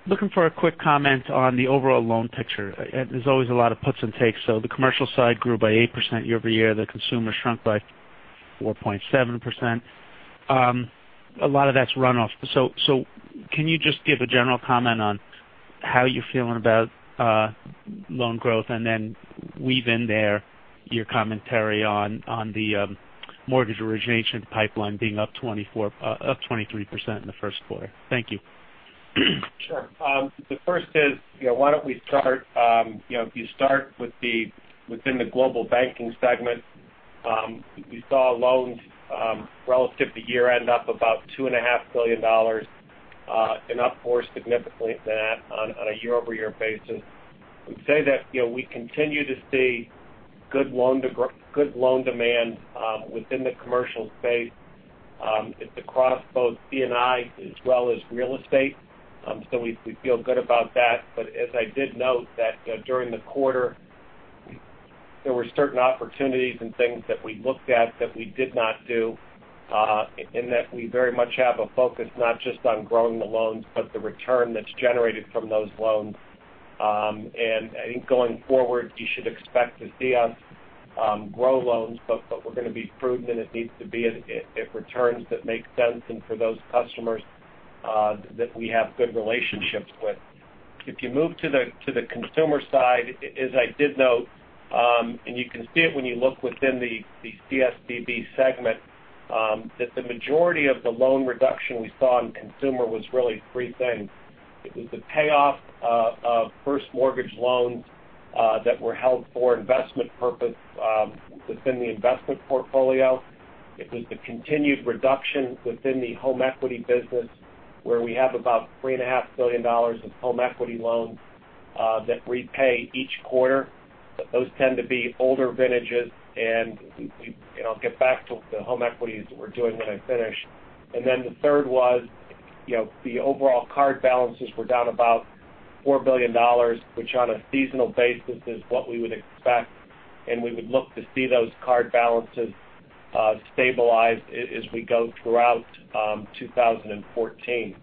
Looking for a quick comment on the overall loan picture. There's always a lot of puts and takes. The commercial side grew by 8% year over year. The consumer shrunk by 4.7%. A lot of that's runoff. Can you just give a general comment on how you're feeling about loan growth and then weave in there your commentary on the mortgage origination pipeline being up 23% in the first quarter? Thank you. Sure. The first is, why don't we start within the Global Banking segment. We saw loans relative to year end up about $2.5 billion and up more significantly than that on a year over year basis. I would say that we continue to see good loan demand within the commercial space. It's across both C&I as well as real estate. We feel good about that. As I did note that during the quarter there were certain opportunities and things that we looked at that we did not do, and that we very much have a focus not just on growing the loans but the return that's generated from those loans. I think going forward you should expect to see us grow loans, we're going to be prudent and it needs to be at returns that make sense and for those customers that we have good relationships with. If you move to the consumer side, as I did note, and you can see it when you look within the CBB segment, that the majority of the loan reduction we saw in consumer was really three things. It was the payoff of first mortgage loans that were held for investment purpose within the investment portfolio. It was the continued reduction within the home equity business where we have about $3.5 billion of home equity loans that repay each quarter. Those tend to be older vintages. I'll get back to the home equities that we're doing when I finish. The third was the overall card balances were down about $4 billion, which on a seasonal basis is what we would expect, and we would look to see those card balances stabilize as we go throughout 2014.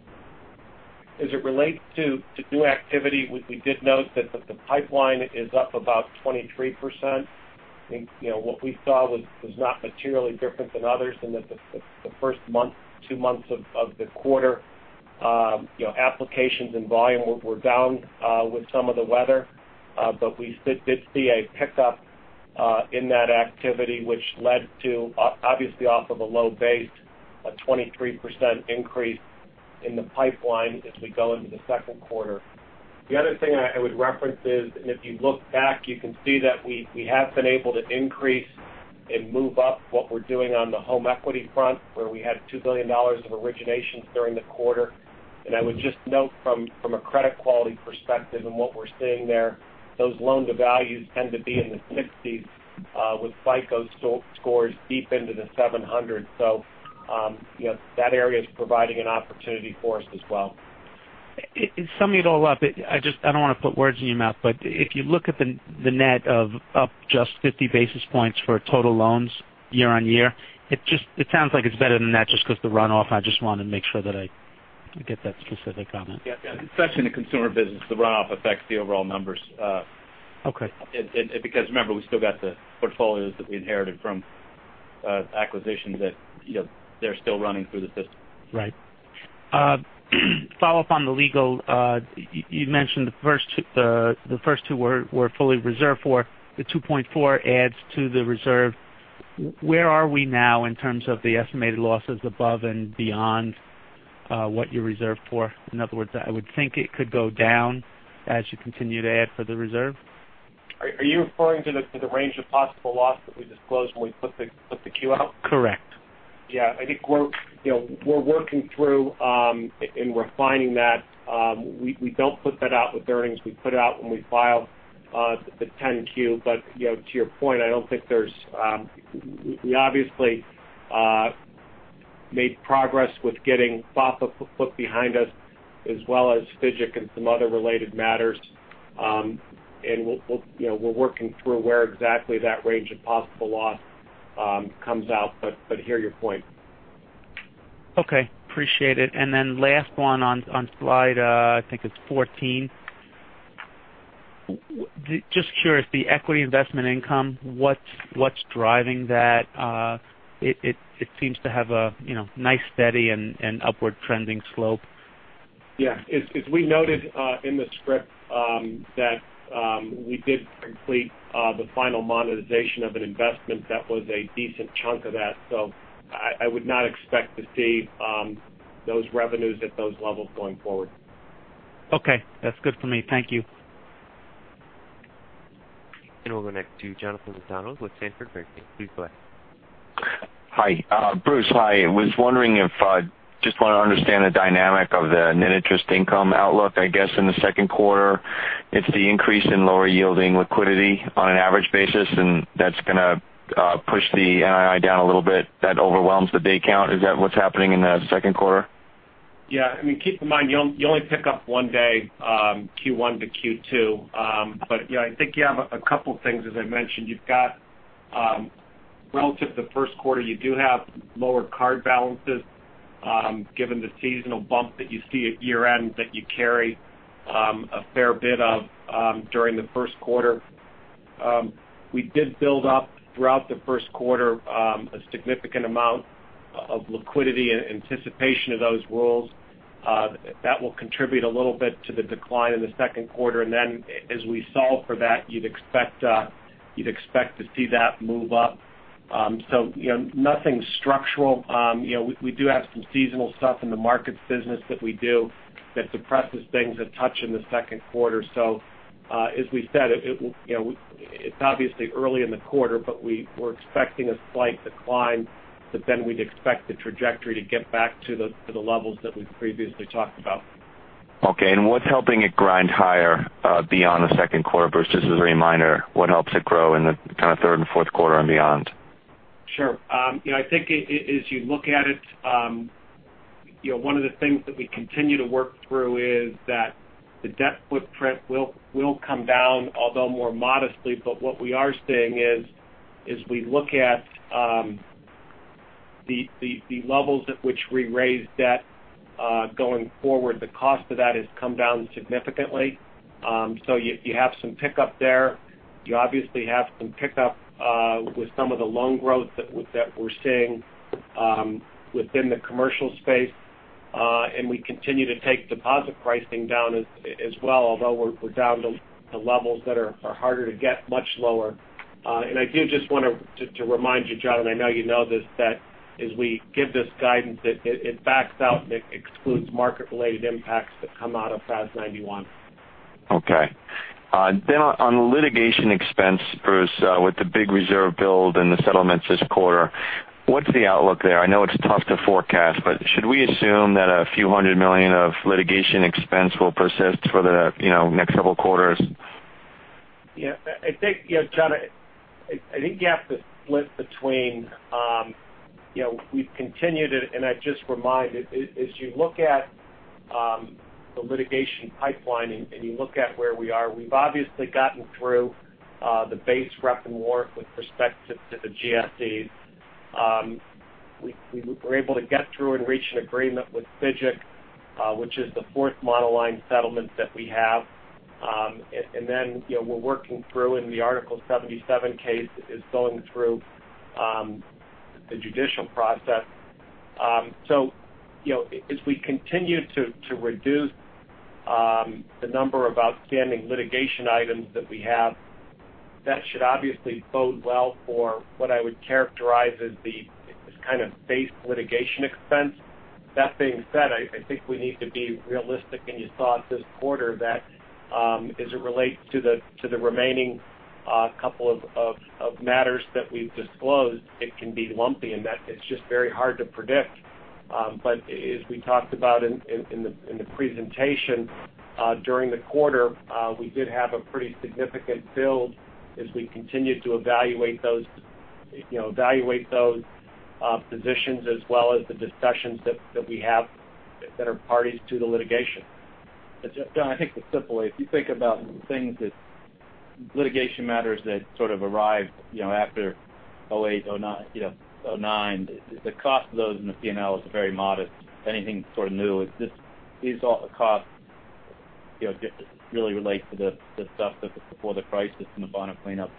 As it relates to new activity, we did note that the pipeline is up about 23%. I think what we saw was not materially different than others in that the first month, two months of the quarter applications and volume were down with some of the weather. We did see a pickup in that activity which led to, obviously off of a low base, a 23% increase in the pipeline as we go into the second quarter. The other thing I would reference is, if you look back you can see that we have been able to increase and move up what we're doing on the home equity front where we had $2 billion of originations during the quarter. I would just note from a credit quality perspective and what we're seeing there, those loan to values tend to be in the sixties with FICO scores deep into the 700s. That area is providing an opportunity for us as well. Summing it all up, I don't want to put words in your mouth, if you look at the net of up just 50 basis points for total loans year-on-year, it sounds like it's better than that just because the runoff. I just want to make sure that I get that specific comment. Especially in the consumer business, the runoff affects the overall numbers. Okay. Remember, we still got the portfolios that we inherited from acquisitions that they're still running through the system. Right. Follow up on the legal. You mentioned the first two were fully reserved for. The $2.4 adds to the reserve. Where are we now in terms of the estimated losses above and beyond what you reserved for? In other words, I would think it could go down as you continue to add for the reserve. Are you referring to the range of possible loss that we disclosed when we put the Q out? Correct. Yeah, I think we're working through and refining that. We don't put that out with earnings. We put it out when we file the 10-Q. To your point, we obviously made progress with getting FHFA put behind us as well as FGIC and some other related matters. We're working through where exactly that range of possible loss comes out. I hear your point. Okay. Appreciate it. Then last one on slide, I think it's 14. Just curious, the equity investment income, what's driving that? It seems to have a nice steady and upward trending slope. Yeah. As we noted in the script that we did complete the final monetization of an investment that was a decent chunk of that. I would not expect to see those revenues at those levels going forward. Okay. That's good for me. Thank you. We'll go next to John McDonald with Sanford Bernstein. Please go ahead. Hi. Bruce, hi. Just want to understand the dynamic of the net interest income outlook, I guess, in the second quarter. It's the increase in lower yielding liquidity on an average basis, and that's going to push the NII down a little bit. That overwhelms the day count. Is that what's happening in the second quarter? I mean, keep in mind, you only pick up one day, Q1 to Q2. I think you have a couple of things. As I mentioned. Relative to the first quarter, you do have lower card balances given the seasonal bump that you see at year-end that you carry a fair bit of during the first quarter. We did build up throughout the first quarter a significant amount of liquidity in anticipation of those rules. That will contribute a little bit to the decline in the second quarter. As we solve for that, you'd expect to see that move up. Nothing structural. We do have some seasonal stuff in the markets business that we do that suppresses things a touch in the second quarter. As we said, it's obviously early in the quarter, but we're expecting a slight decline. We'd expect the trajectory to get back to the levels that we've previously talked about. What's helping it grind higher beyond the second quarter? Bruce, just as a reminder, what helps it grow in the kind of third and fourth quarter and beyond? I think as you look at it, one of the things that we continue to work through is that the debt footprint will come down, although more modestly. What we are seeing is we look at the levels at which we raise debt going forward. The cost of that has come down significantly. You have some pickup there. You obviously have some pickup with some of the loan growth that we're seeing within the commercial space. We continue to take deposit pricing down as well, although we're down to levels that are harder to get much lower. I do just want to remind you, John, and I know you know this, that as we give this guidance, it backs out and it excludes market-related impacts that come out of FAS 91. Okay. On litigation expense, Bruce, with the big reserve build and the settlements this quarter, what's the outlook there? I know it's tough to forecast, but should we assume that a few hundred million of litigation expense will persist for the next couple quarters? John, I think you have to split between. We've continued it, and I'd just remind, as you look at the litigation pipeline and you look at where we are, we've obviously gotten through the base rep and warrant with respect to the GSEs. We were able to get through and reach an agreement with FGIC, which is the fourth monoline settlement that we have. We're working through in the Article 77 case is going through the judicial process. As we continue to reduce the number of outstanding litigation items that we have, that should obviously bode well for what I would characterize as the kind of base litigation expense. That being said, I think we need to be realistic in your thoughts this quarter that as it relates to the remaining couple of matters that we've disclosed, it can be lumpy, and that it's just very hard to predict. As we talked about in the presentation during the quarter, we did have a pretty significant build as we continued to evaluate those positions as well as the discussions that we have that are parties to the litigation. John, I think simply, if you think about things that litigation matters that sort of arrived after 2008, 2009, the cost of those in the P&L is very modest. Anything sort of new, these costs really relate to the stuff that was before the crisis and the bottom cleanup.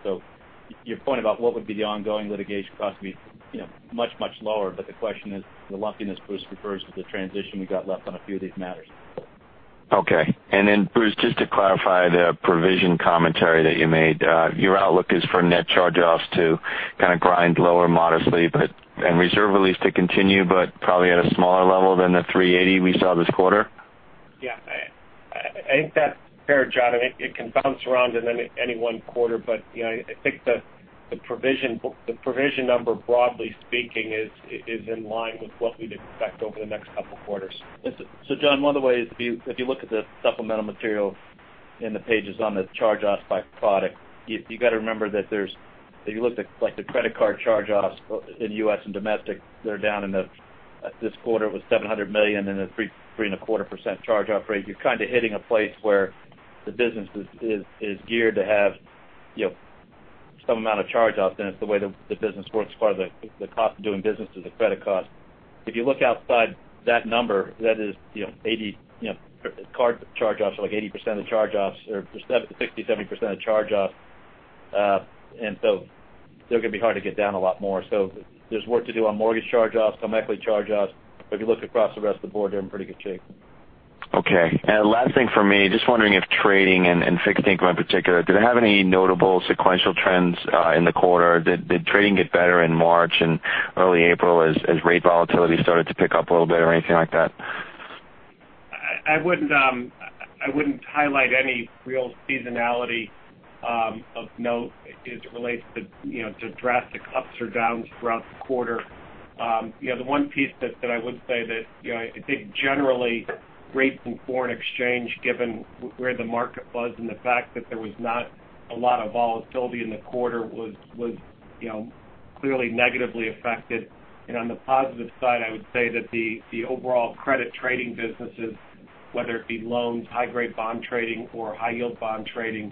Your point about what would be the ongoing litigation cost would be much, much lower. The question is the lumpiness Bruce refers to the transition we got left on a few of these matters. Okay. Bruce, just to clarify the provision commentary that you made. Your outlook is for net charge-offs to kind of grind lower modestly, and reserve release to continue, but probably at a smaller level than the $380 we saw this quarter? Yeah. I think that's fair, John. It can bounce around in any one quarter. I think the provision number, broadly speaking, is in line with what we'd expect over the next couple of quarters. John, one of the ways, if you look at the supplemental material in the pages on the charge-offs by product, you got to remember that if you looked at the credit card charge-offs in U.S. and domestic, they're down. This quarter it was $700 million and a 3.25% charge-off rate. You're kind of hitting a place where the business is geared to have some amount of charge-offs, and it's the way the business works as far as the cost of doing business or the credit cost. If you look outside that number, card charge-offs are 60%-70% of charge-offs. They're going to be hard to get down a lot more. There's work to do on mortgage charge-offs, home equity charge-offs. If you look across the rest of the board, they're in pretty good shape. Okay. Last thing from me, just wondering if trading and fixed income in particular, did it have any notable sequential trends in the quarter? Did trading get better in March and early April as rate volatility started to pick up a little bit or anything like that? I wouldn't highlight any real seasonality of note as it relates to drastic ups or downs throughout the quarter. The one piece that I would say that I think generally rates and foreign exchange, given where the market was and the fact that there was not a lot of volatility in the quarter was clearly negatively affected. On the positive side, I would say that the overall credit trading businesses, whether it be loans, high-grade bond trading, or high-yield bond trading,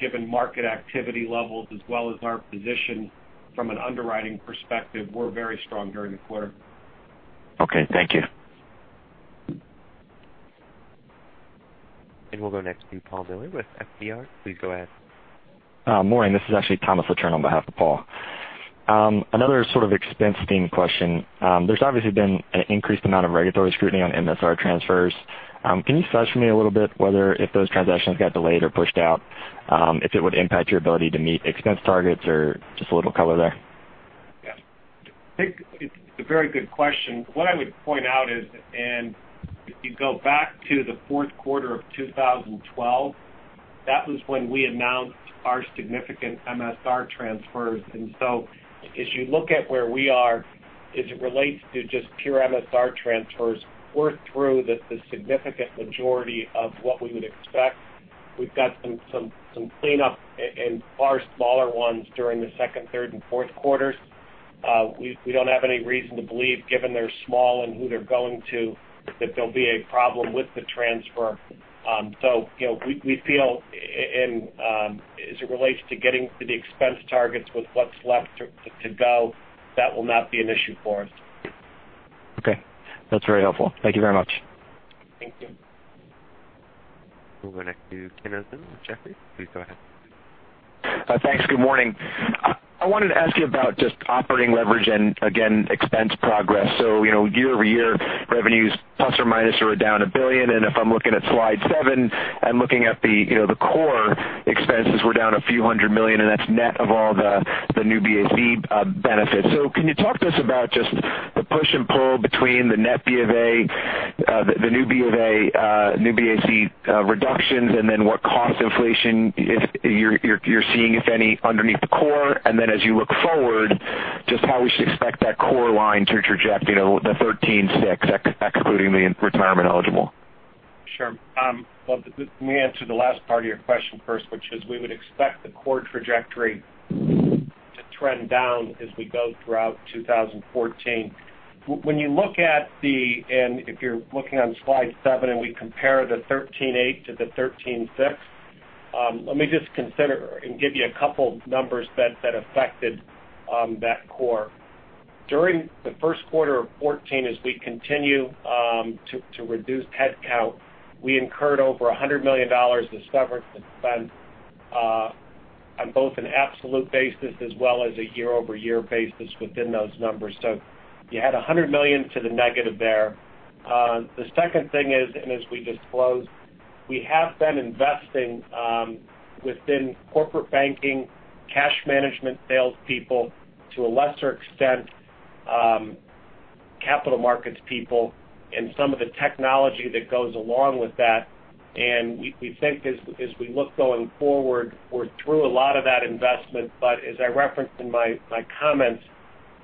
given market activity levels as well as our position from an underwriting perspective, were very strong during the quarter. Okay, thank you. We'll go next to Paul Miller with FBR. Please go ahead. Morning. This is actually Thomas LaTurno on behalf of Paul. Another sort of expense theme question. There's obviously been an increased amount of regulatory scrutiny on MSR transfers. Can you assess for me a little bit whether if those transactions got delayed or pushed out, if it would impact your ability to meet expense targets or just a little color there? Yeah. I think it's a very good question. What I would point out is, if you go back to the fourth quarter of 2012, that was when we announced our significant MSR transfers. As you look at where we are as it relates to just pure MSR transfers, we're through the significant majority of what we would expect. We've got some clean up and far smaller ones during the second, third, and fourth quarters. We don't have any reason to believe, given they're small and who they're going to, that there'll be a problem with the transfer. We feel as it relates to getting to the expense targets with what's left to go, that will not be an issue for us. Okay. That's very helpful. Thank you very much. Thank you. We'll go next to Ken Usdin with Jefferies. Please go ahead. Thanks. Good morning. I wanted to ask you about just operating leverage and again, expense progress. Year-over-year revenues ± are down $1 billion. If I'm looking at slide seven and looking at the core expenses were down a few hundred million, and that is net of all the New BAC benefits. Can you talk to us about just the push and pull between the new B of A, New BAC reductions, and then what cost inflation you are seeing, if any, underneath the core? As you look forward, just how we should expect that core line to traject the $13.6 excluding the retirement eligible? Sure. Let me answer the last part of your question first, which is we would expect the core trajectory to trend down as we go throughout 2014. When you look at the, if you are looking on slide seven and we compare the $13.8 to the $13.6, let me just consider and give you a couple of numbers that affected that core. During the first quarter of 2014, as we continue to reduce headcount, we incurred over $100 million in severance expense on both an absolute basis as well as a year-over-year basis within those numbers. You had $100 million to the negative there. The second thing is, as we disclosed, we have been investing within corporate banking, cash management salespeople, to a lesser extent, capital markets people, and some of the technology that goes along with that. We think as we look going forward, we are through a lot of that investment. As I referenced in my comments,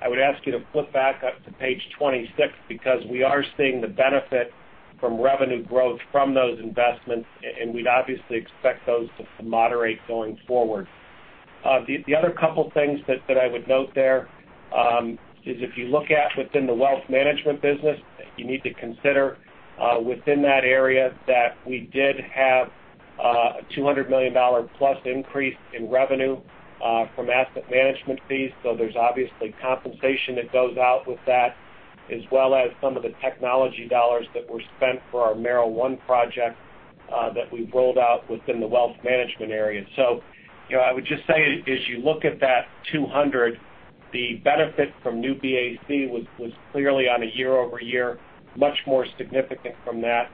I would ask you to flip back up to page 26 because we are seeing the benefit from revenue growth from those investments, and we would obviously expect those to moderate going forward. The other couple of things that I would note there is if you look at within the wealth management business, you need to consider within that area that we did have a $200 million+ increase in revenue from asset management fees. There is obviously compensation that goes out with that as well as some of the technology dollars that were spent for our Merrill One project that we have rolled out within the wealth management area. I would just say as you look at that $200, the benefit from New BAC was clearly on a year-over-year much more significant from that.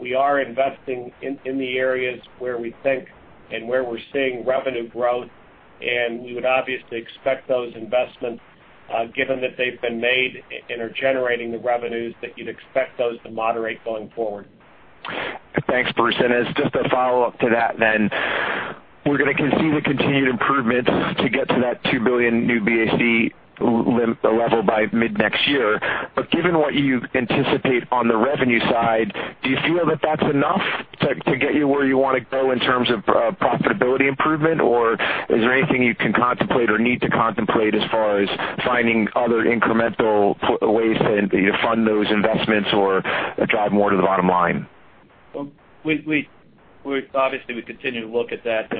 We are investing in the areas where we think and where we are seeing revenue growth. We would obviously expect those investments Given that they've been made and are generating the revenues, that you'd expect those to moderate going forward. Thanks, Bruce. As just a follow-up to that, we're going to see the continued improvements to get to that $2 billion New BAC level by mid-next year. Given what you anticipate on the revenue side, do you feel that that's enough to get you where you want to go in terms of profitability improvement? Is there anything you can contemplate or need to contemplate as far as finding other incremental ways to fund those investments or drive more to the bottom line? Well, obviously, we continue to look at that,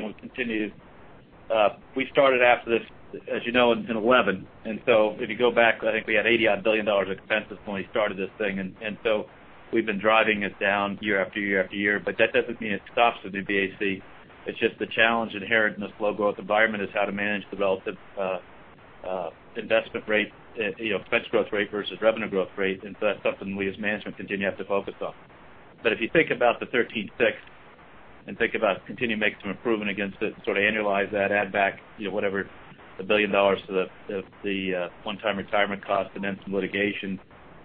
we started after this, as you know, in 2011. If you go back, I think we had $80-odd billion of expenses when we started this thing. We've been driving it down year after year after year. That doesn't mean it stops with New BAC. It's just the challenge inherent in this low-growth environment is how to manage the relative investment rate, expense growth rate versus revenue growth rate. That's something we as management continue to have to focus on. If you think about the 13 fix and think about continuing to make some improvement against it, sort of annualize that, add back whatever, $1 billion for the one-time retirement cost and then some litigation,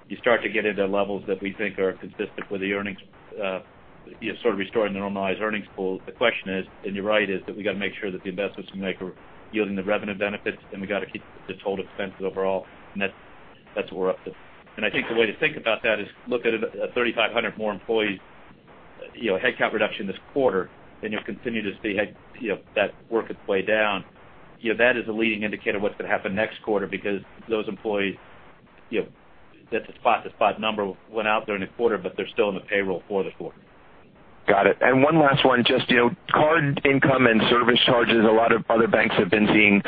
you start to get into levels that we think are consistent with the earnings, sort of restoring the normalized earnings pool. The question is, and you're right, is that we've got to make sure that the investments we make are yielding the revenue benefits, we've got to keep the total expenses overall, that's what we're up to. I think the way to think about that is look at it at 3,500 more employees, headcount reduction this quarter, and you'll continue to see that work its way down. That is a leading indicator of what's going to happen next quarter because those employees, that's a spot-to-spot number, went out during the quarter, but they're still on the payroll for the quarter. Got it. One last one, just card income and service charges. A lot of other banks have been seeing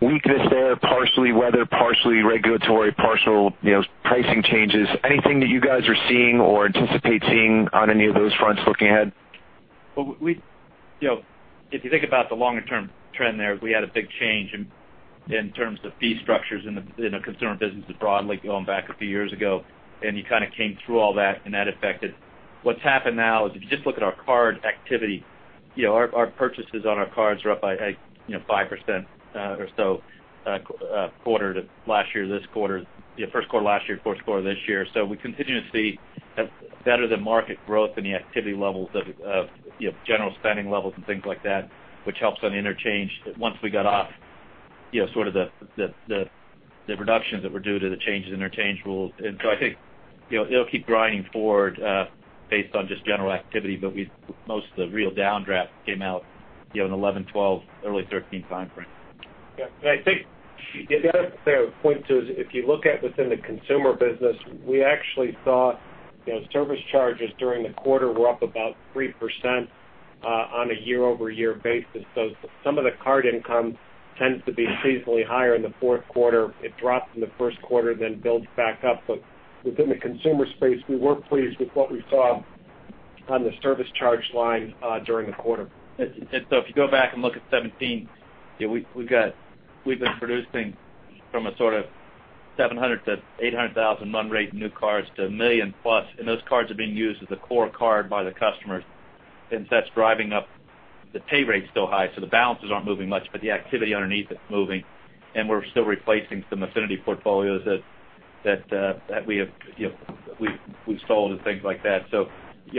weakness there, partially weather, partially regulatory, partial pricing changes. Anything that you guys are seeing or anticipate seeing on any of those fronts looking ahead? If you think about the longer-term trend there, we had a big change in terms of fee structures in the consumer businesses broadly going back a few years ago. You kind of came through all that. That affected. What's happened now is if you just look at our card activity, our purchases on our cards are up by 5% or so quarter to last year, this quarter. First quarter last year, fourth quarter this year. We continue to see better-than-market growth in the activity levels of general spending levels and things like that, which helps on interchange once we got off the reductions that were due to the changes in interchange rules. I think it'll keep grinding forward based on just general activity. Most of the real downdraft came out in 2011, 2012, early 2013 timeframe. Yeah. I think the other point, too, is if you look at within the consumer business, we actually saw service charges during the quarter were up about 3% on a year-over-year basis. Some of the card income tends to be seasonally higher in the fourth quarter. It drops in the first quarter, then builds back up. Within the consumer space, we were pleased with what we saw on the service charge line during the quarter. If you go back and look at 2017, we've been producing from a sort of 700,000-800,000 run rate new cards to 1 million+, those cards are being used as a core card by the customers. That's driving up the pay rates still high. The balances aren't moving much, but the activity underneath it's moving, we're still replacing some affinity portfolios that we've sold and things like that.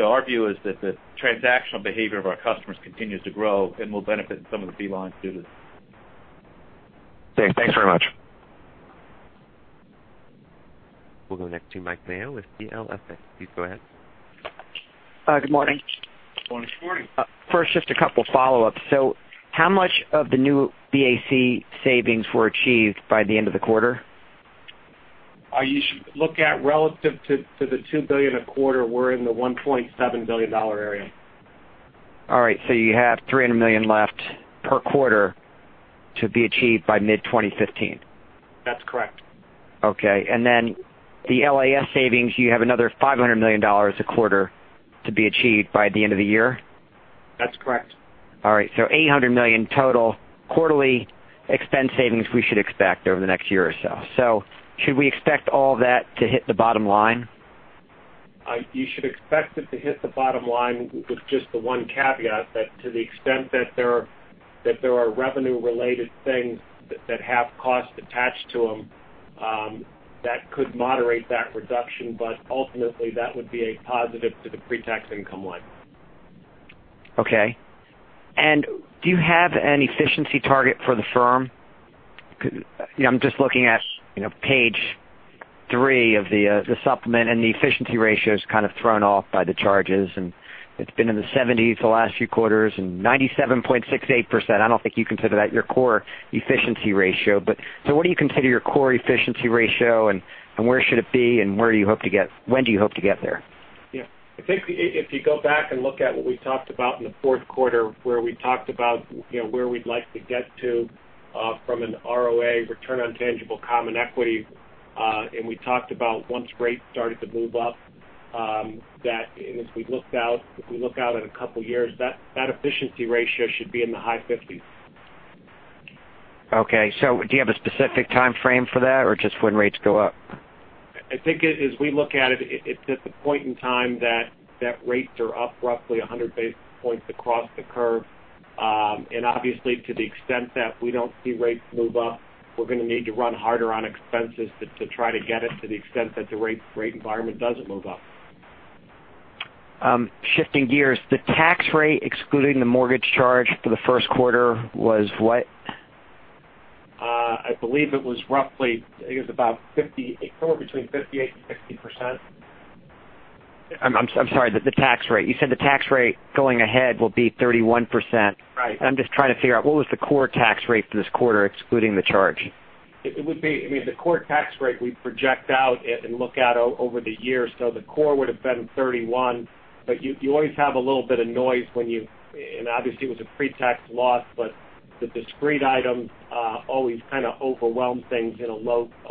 Our view is that the transactional behavior of our customers continues to grow and will benefit some of the fee lines due to this. Okay. Thanks very much. We'll go next to Mike Mayo with CLSA. Please go ahead. Good morning. Morning. First, just a couple follow-ups. How much of the New BAC savings were achieved by the end of the quarter? You should look at relative to the $2 billion a quarter. We're in the $1.7 billion area. All right. You have $300 million left per quarter to be achieved by mid-2015. That's correct. Okay. The LAS savings, you have another $500 million a quarter to be achieved by the end of the year? That's correct. All right. $800 million total quarterly expense savings we should expect over the next year or so. Should we expect all that to hit the bottom line? You should expect it to hit the bottom line with just the one caveat that to the extent that there are revenue-related things that have cost attached to them, that could moderate that reduction. Ultimately, that would be a positive to the pre-tax income line. Okay. Do you have an efficiency target for the firm? I'm just looking at page three of the supplement, the efficiency ratio is kind of thrown off by the charges, it's been in the 70s the last few quarters 97.68%. I don't think you consider that your core efficiency ratio. What do you consider your core efficiency ratio, where should it be, when do you hope to get there? I think if you go back and look at what we talked about in the fourth quarter, where we talked about where we'd like to get to from an ROA, return on tangible common equity, we talked about once rates started to move up, that if we look out at a couple of years, that efficiency ratio should be in the high 50s. Okay. Do you have a specific timeframe for that or just when rates go up? I think as we look at it's at the point in time that rates are up roughly 100 basis points across the curve. Obviously to the extent that we don't see rates move up, we're going to need to run harder on expenses to try to get it to the extent that the rate environment doesn't move up. Shifting gears, the tax rate excluding the mortgage charge for the first quarter was what? I believe it was roughly, I think it was somewhere between 58% and 60%. I'm sorry, the tax rate. You said the tax rate going ahead will be 31%. Right. I'm just trying to figure out what was the core tax rate for this quarter excluding the charge? The core tax rate we project out and look at over the years. The core would've been 31%, you always have a little bit of noise when you, and obviously it was a pre-tax loss, the discrete items always kind of overwhelm things in a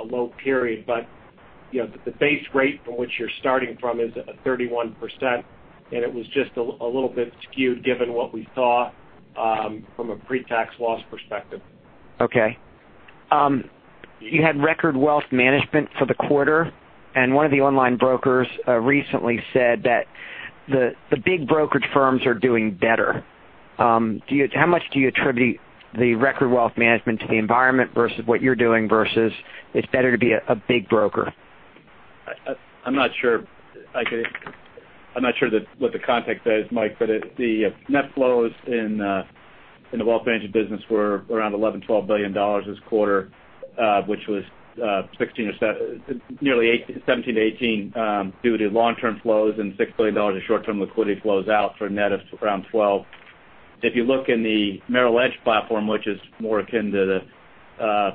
low period. The base rate from which you're starting from is a 31%, and it was just a little bit skewed given what we saw from a pre-tax loss perspective. Okay. You had record wealth management for the quarter, one of the online brokers recently said that the big brokerage firms are doing better. How much do you attribute the record wealth management to the environment versus what you're doing versus it's better to be a big broker? I'm not sure what the context is, Mike Mayo, the net flows in the wealth management business were around $11 billion-$12 billion this quarter, which was nearly $17 billion to $18 billion, due to long-term flows and $6 billion in short-term liquidity flows out for a net of around $12 billion. If you look in the Merrill Edge platform, which is more akin to the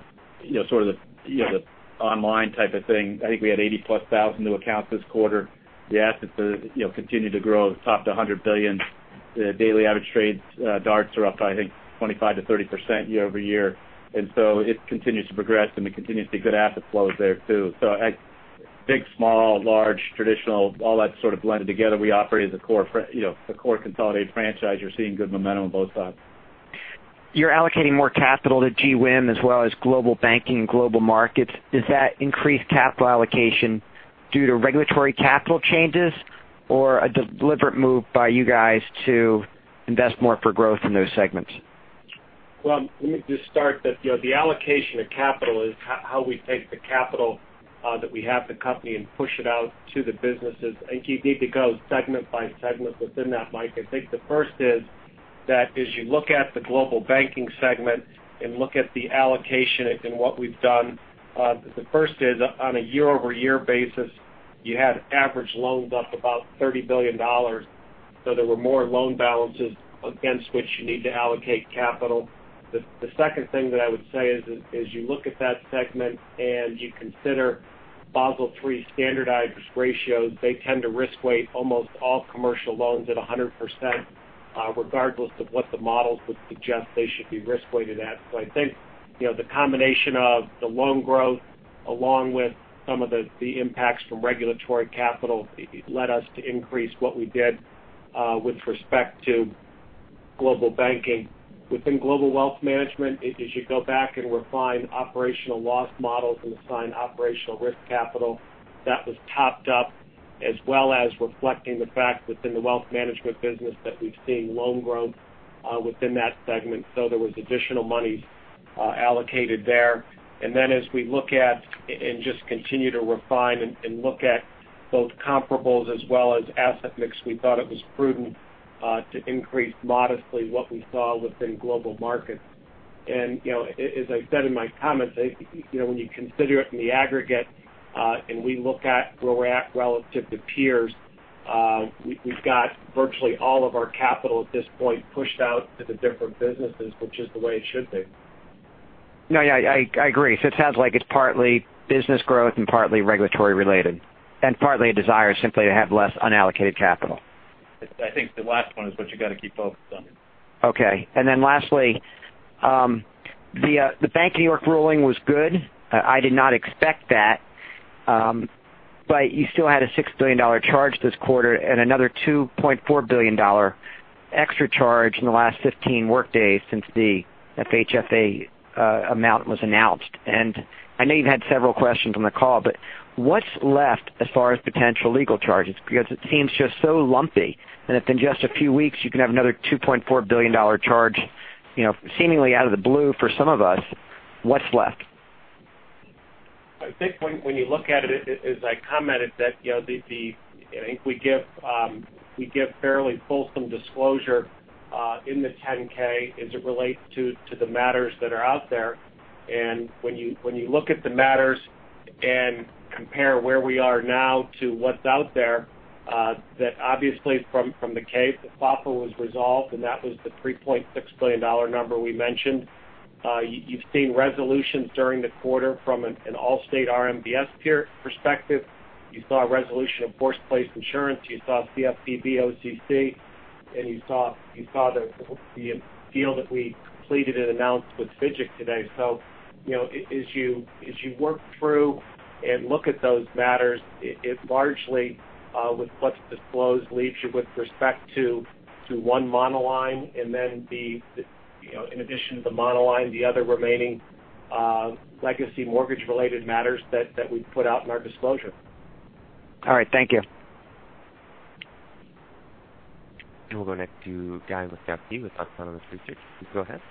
sort of the online type of thing, I think we had 80-plus thousand new accounts this quarter. The assets continue to grow. It's topped $100 billion. The daily average trades, DARTs, are up by, I think, 25%-30% year-over-year. It continues to progress and there continues to be good asset flows there too. Big, small, large, traditional, all that sort of blended together. We operate as a core consolidated franchise. You're seeing good momentum on both sides. You're allocating more capital to GWIM as well as Global Banking and Global Markets. Is that increased capital allocation due to regulatory capital changes or a deliberate move by you guys to invest more for growth in those segments? Let me just start that the allocation of capital is how we take the capital that we have at the company and push it out to the businesses. I think you'd need to go segment by segment within that, Mike Mayo. I think the first is that as you look at the Global Banking segment and look at the allocation and what we've done, the first is on a year-over-year basis, you had average loans up about $30 billion. There were more loan balances against which you need to allocate capital. The second thing that I would say is you look at that segment and you consider Basel III standardized ratios. They tend to risk-weight almost all commercial loans at 100%, regardless of what the models would suggest they should be risk-weighted at. I think the combination of the loan growth along with some of the impacts from regulatory capital led us to increase what we did with respect to Global Banking. Within Global Wealth Management, as you go back and refine operational loss models and assign operational risk capital, that was topped up as well as reflecting the fact within the wealth management business that we've seen loan growth within that segment. There was additional monies allocated there. As we look at and just continue to refine and look at both comparables as well as asset mix, we thought it was prudent to increase modestly what we saw within Global Markets. As I said in my comments, when you consider it in the aggregate, we look at where we're at relative to peers, we've got virtually all of our capital at this point pushed out to the different businesses, which is the way it should be. No, yeah. I agree. It sounds like it's partly business growth and partly regulatory related, partly a desire simply to have less unallocated capital. I think the last one is what you got to keep focused on. Okay. Lastly, the Bank of New York ruling was good. I did not expect that. You still had a $6 billion charge this quarter and another $2.4 billion extra charge in the last 15 workdays since the FHFA amount was announced. I know you've had several questions on the call, but what's left as far as potential legal charges? Because it seems just so lumpy, and that in just a few weeks you can have another $2.4 billion charge seemingly out of the blue for some of us. What's left? I think when you look at it as I commented that I think we give fairly fulsome disclosure in the 10K as it relates to the matters that are out there. When you look at the matters and compare where we are now to what's out there, that obviously from the case that FHFA was resolved, and that was the $3.6 billion number we mentioned. You've seen resolutions during the quarter from an Allstate RMBS perspective. You saw a resolution of Foremost Insurance Company. You saw CFPB, OCC, and you saw the deal that we completed and announced with FGIC today. As you work through and look at those matters, it largely with what's disclosed leaves you with respect to one Monoline, and then in addition to the Monoline, the other remaining legacy mortgage related matters that we've put out in our disclosure. All right. Thank you. We'll go next to Guy Moszkowski with Autonomous Research. Please go ahead.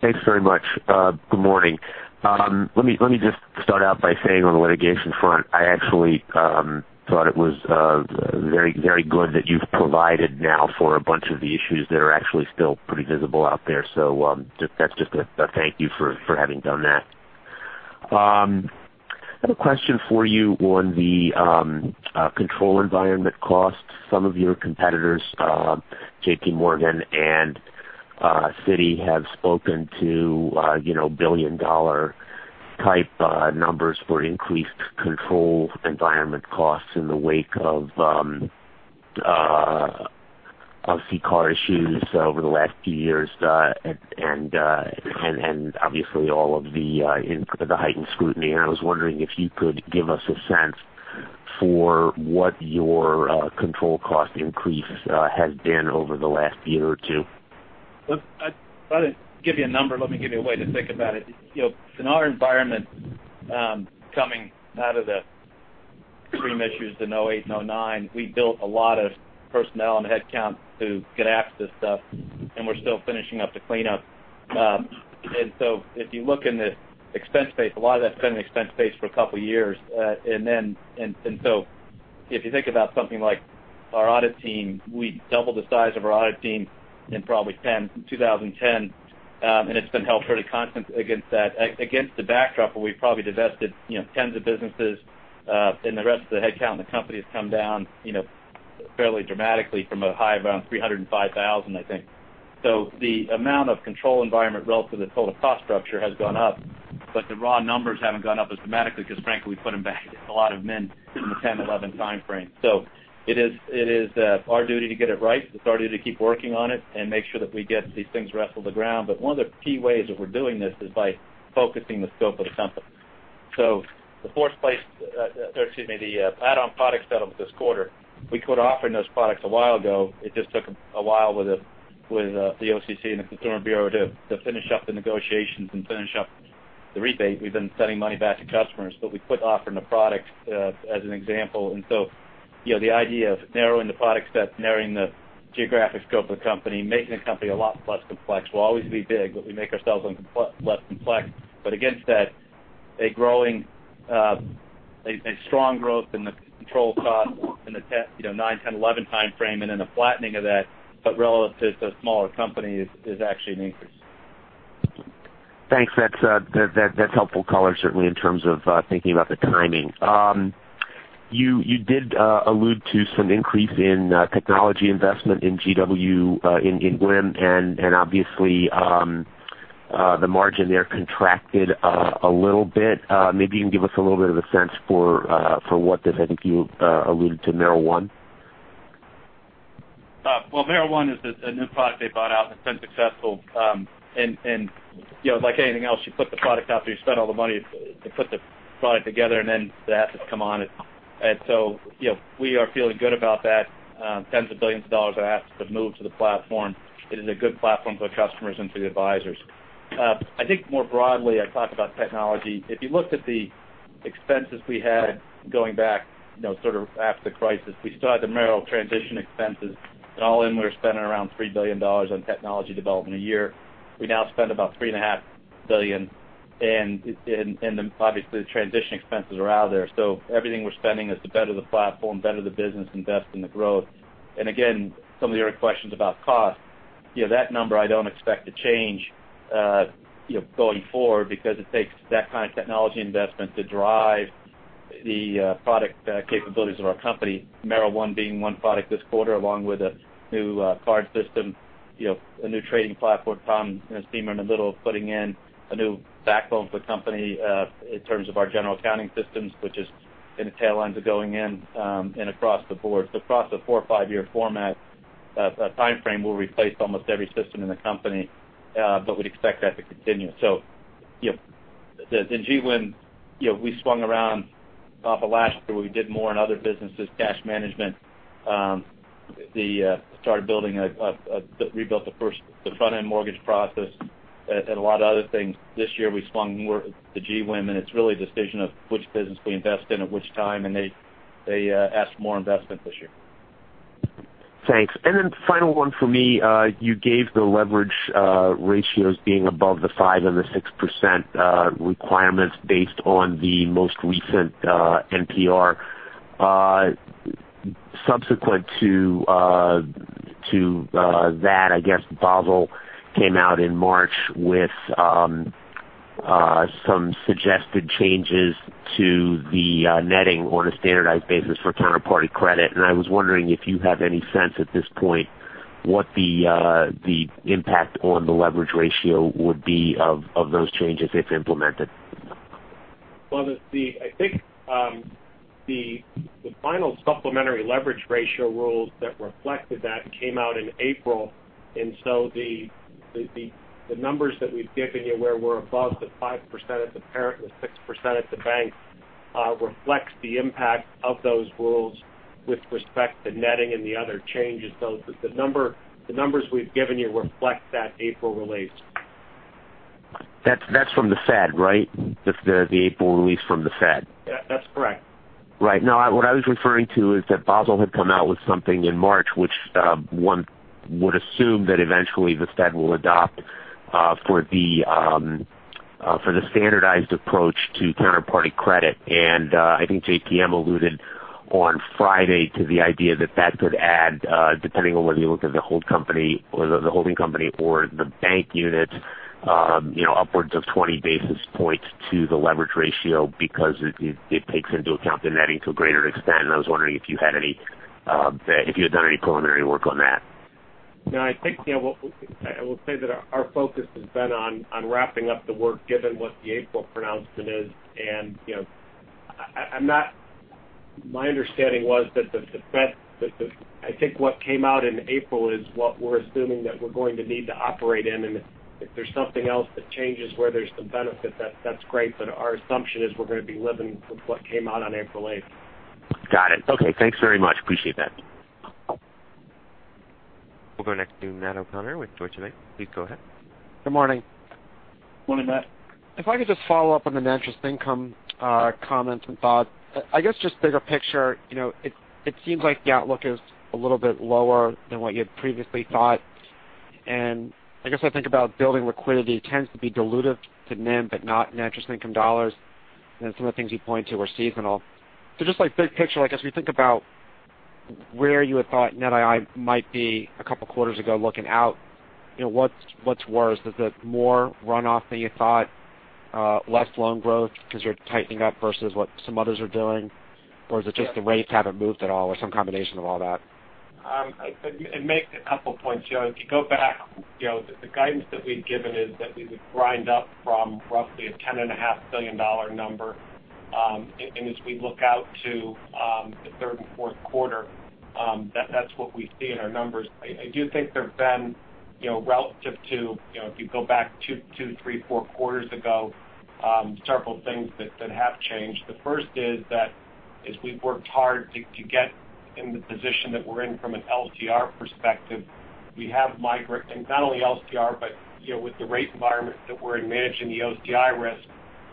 Thanks very much. Good morning. Let me just start out by saying on the litigation front, I actually thought it was very good that you've provided now for a bunch of the issues that are actually still pretty visible out there. That's just a thank you for having done that. I have a question for you on the control environment costs. Some of your competitors, JP Morgan and Citigroup, have spoken to billion-dollar type numbers for increased control environment costs in the wake of CCAR issues over the last few years, and obviously all of the heightened scrutiny. I was wondering if you could give us a sense for what your control cost increase has been over the last year or two. I'd rather give you a number. Let me give you a way to think about it. In our environment, coming out of the stream issues, the 2008 and 2009, we built a lot of personnel and headcount to get after this stuff, and we're still finishing up the cleanup. If you look in the expense base, a lot of that's been in the expense base for a couple of years. If you think about something like our audit team, we doubled the size of our audit team in probably 2010, and it's been held pretty constant against the backdrop where we've probably divested tens of businesses and the rest of the headcount in the company has come down fairly dramatically from a high of around 305,000, I think. The amount of control environment relative to total cost structure has gone up, but the raw numbers haven't gone up as dramatically because frankly, we put them back a lot of men in the 2010, 2011 timeframe. It is our duty to get it right. It's our duty to keep working on it and make sure that we get these things wrestled to the ground. One of the key ways that we're doing this is by focusing the scope of the company. The fourth place, or excuse me, the add-on product settled this quarter, we quit offering those products a while ago. It just took a while with the OCC and the Consumer Bureau to finish up the negotiations and finish up the rebate. We've been sending money back to customers, but we quit offering the product as an example. The idea of narrowing the product set, narrowing the geographic scope of the company, making the company a lot less complex. We'll always be big, but we make ourselves less complex. Against that, a strong growth in the control cost in the 2009, 2010, 2011 timeframe, then a flattening of that, but relative to a smaller company is actually an increase. Thanks. That's helpful color certainly in terms of thinking about the timing. You did allude to some increase in technology investment in GWIM, and obviously, the margin there contracted a little bit. Maybe you can give us a little bit of a sense for what this, I think you alluded to Merrill One? Well, Merrill One is a new product they bought out that's been successful. Like anything else, you put the product out there, you spend all the money to put the product together, then the assets come on it. We are feeling good about that. Tens of billions of dollars of assets have moved to the platform. It is a good platform for the customers and for the advisors. I think more broadly, I talk about technology. If you looked at the expenses we had going back sort of after the crisis, we still had the Merrill transition expenses, and all in, we were spending around $3 billion on technology development a year. We now spend about $3.5 billion, and obviously, the transition expenses are out of there. Everything we're spending is to better the platform, better the business, invest in the growth. Again, some of your questions about cost, that number I don't expect to change going forward because it takes that kind of technology investment to drive the product capabilities of our company. Merrill One being one product this quarter, along with a new card system, a new trading platform Tom and his team are in the middle of putting in a new backbone for the company in terms of our general accounting systems, which is in the tail ends of going in and across the board. Across a 4 or 5-year format timeframe, we'll replace almost every system in the company, but we'd expect that to continue. In GWIM, we swung around off of last year where we did more in other businesses, cash management, started building, rebuilt the front-end mortgage process, and a lot of other things. This year we swung more to GWIM. It's really a decision of which business we invest in at which time. They asked for more investment this year. Thanks. Final one for me. You gave the leverage ratios being above the 5% and the 6% requirements based on the most recent NPR. Subsequent to that, I guess Basel came out in March with some suggested changes to the netting on a standardized basis for counterparty credit. I was wondering if you have any sense at this point what the impact on the leverage ratio would be of those changes if implemented. Well, I think the final supplementary leverage ratio rules that reflected that came out in April. The numbers that we've given you where we're above the 5% at the parent and the 6% at the bank reflects the impact of those rules with respect to netting and the other changes. The numbers we've given you reflect that April release. That's from the Fed, right? The April release from the Fed. Yeah, that's correct. Right. No, what I was referring to is that Basel had come out with something in March, which one would assume that eventually the Fed will adopt for the standardized approach to counterparty credit. I think JPM alluded on Friday to the idea that that could add, depending on whether you look at the holding company or the bank units, upwards of 20 basis points to the leverage ratio because it takes into account the netting to a greater extent. I was wondering if you had done any preliminary work on that. No, I think I will say that our focus has been on wrapping up the work given what the April pronouncement is. My understanding was that the Fed, I think what came out in April is what we're assuming that we're going to need to operate in. If there's something else that changes where there's some benefit, that's great. Our assumption is we're going to be living with what came out on April 8th. Got it. Okay. Thanks very much. Appreciate that. We'll go next to Matt O'Connor with Deutsche Bank. Please go ahead. Good morning. Morning, Matt. If I could just follow up on the net interest income comments and thoughts. I guess just bigger picture, it seems like the outlook is a little bit lower than what you had previously thought. I guess I think about building liquidity tends to be dilutive to NIM, but not net interest income dollars, and some of the things you point to were seasonal. Just big picture, I guess we think about where you had thought net II might be a couple of quarters ago looking out, what's worse? Is it more runoff than you thought? Less loan growth because you're tightening up versus what some others are doing? Or is it just the rates haven't moved at all? Or some combination of all that? I'd make a couple points. If you go back, the guidance that we'd given is that we would grind up from roughly a $10.5 billion number. As we look out to the third and fourth quarter, that's what we see in our numbers. I do think there've been relative to if you go back two to three, four quarters ago, several things that have changed. The first is that as we've worked hard to get in the position that we're in from an LCR perspective, we have migrated, and not only LCR, but with the rate environment that we're in managing the OCI risk,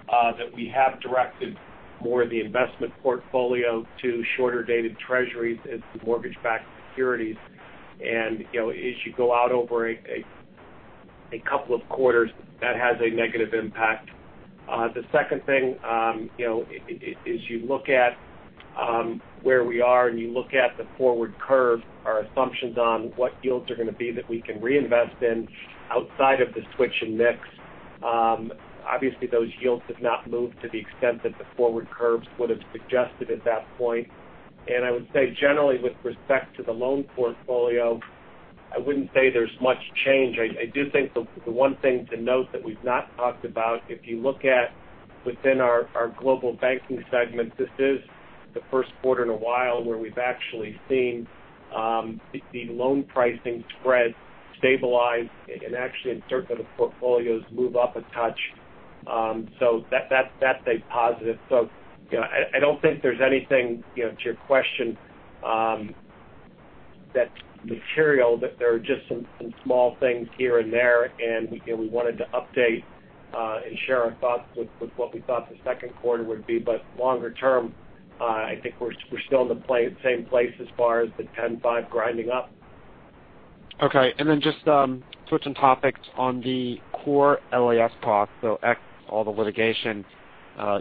that we have directed more of the investment portfolio to shorter dated treasuries and some mortgage-backed securities. As you go out over a couple of quarters, that has a negative impact. The second thing, as you look at where we are and you look at the forward curve, our assumptions on what yields are going to be that we can reinvest in outside of the switch and mix. Obviously, those yields have not moved to the extent that the forward curves would have suggested at that point. I would say generally with respect to the loan portfolio, I wouldn't say there's much change. I do think the one thing to note that we've not talked about, if you look at within our Global Banking segment, this is the first quarter in a while where we've actually seen the loan pricing spread stabilize and actually in certain of the portfolios move up a touch. That's a positive. I don't think there's anything, to your question, that's material. There are just some small things here and there, and we wanted to update and share our thoughts with what we thought the second quarter would be. Longer term, I think we're still in the same place as far as the 10.5 grinding up. Okay. Just switching topics on the core LAS costs. Ex all the litigation,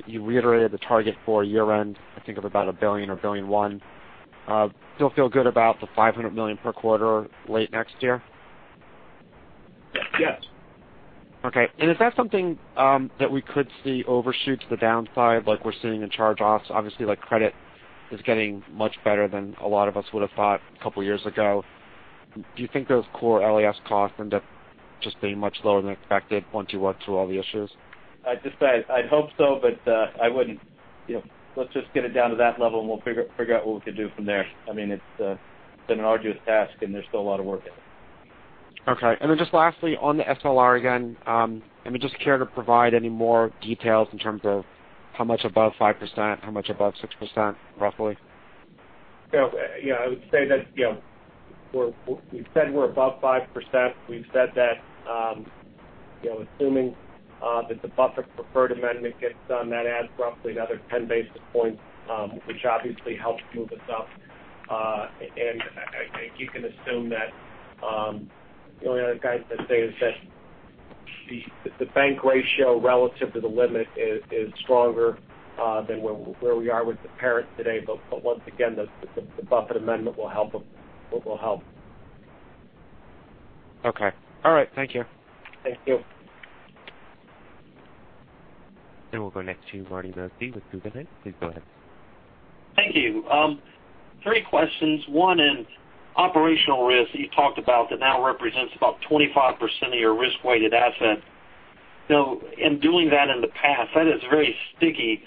you reiterated the target for year-end, I think of about $1 billion or $1.1 billion. Still feel good about the $500 million per quarter late next year? Yes. Okay. Is that something that we could see overshoot to the downside like we're seeing in charge-offs? Obviously, credit is getting much better than a lot of us would have thought a couple of years ago. Do you think those core LAS costs end up just being much lower than expected once you work through all the issues? I'd hope so, but let's just get it down to that level, and we'll figure out what we can do from there. It's been an arduous task, and there's still a lot of work in it. Okay. Just lastly, on the SLR again, I mean, just care to provide any more details in terms of how much above 5%, how much above 6%, roughly? I would say that we've said we're above 5%. We've said that assuming that the Buffett preferred amendment gets done, that adds roughly another 10 basis points, which obviously helps move us up. I think you can assume that the only other guidance I'd say is that the bank ratio relative to the limit is stronger than where we are with the parent today. Once again, the Buffett amendment will help. Okay. All right. Thank you. Thank you. We'll go next to Marty Mosby with Guggenheim Securities. Please go ahead. Thank you. Three questions. One in operational risk that you talked about that now represents about 25% of your risk-weighted asset. In doing that in the past, that is very sticky.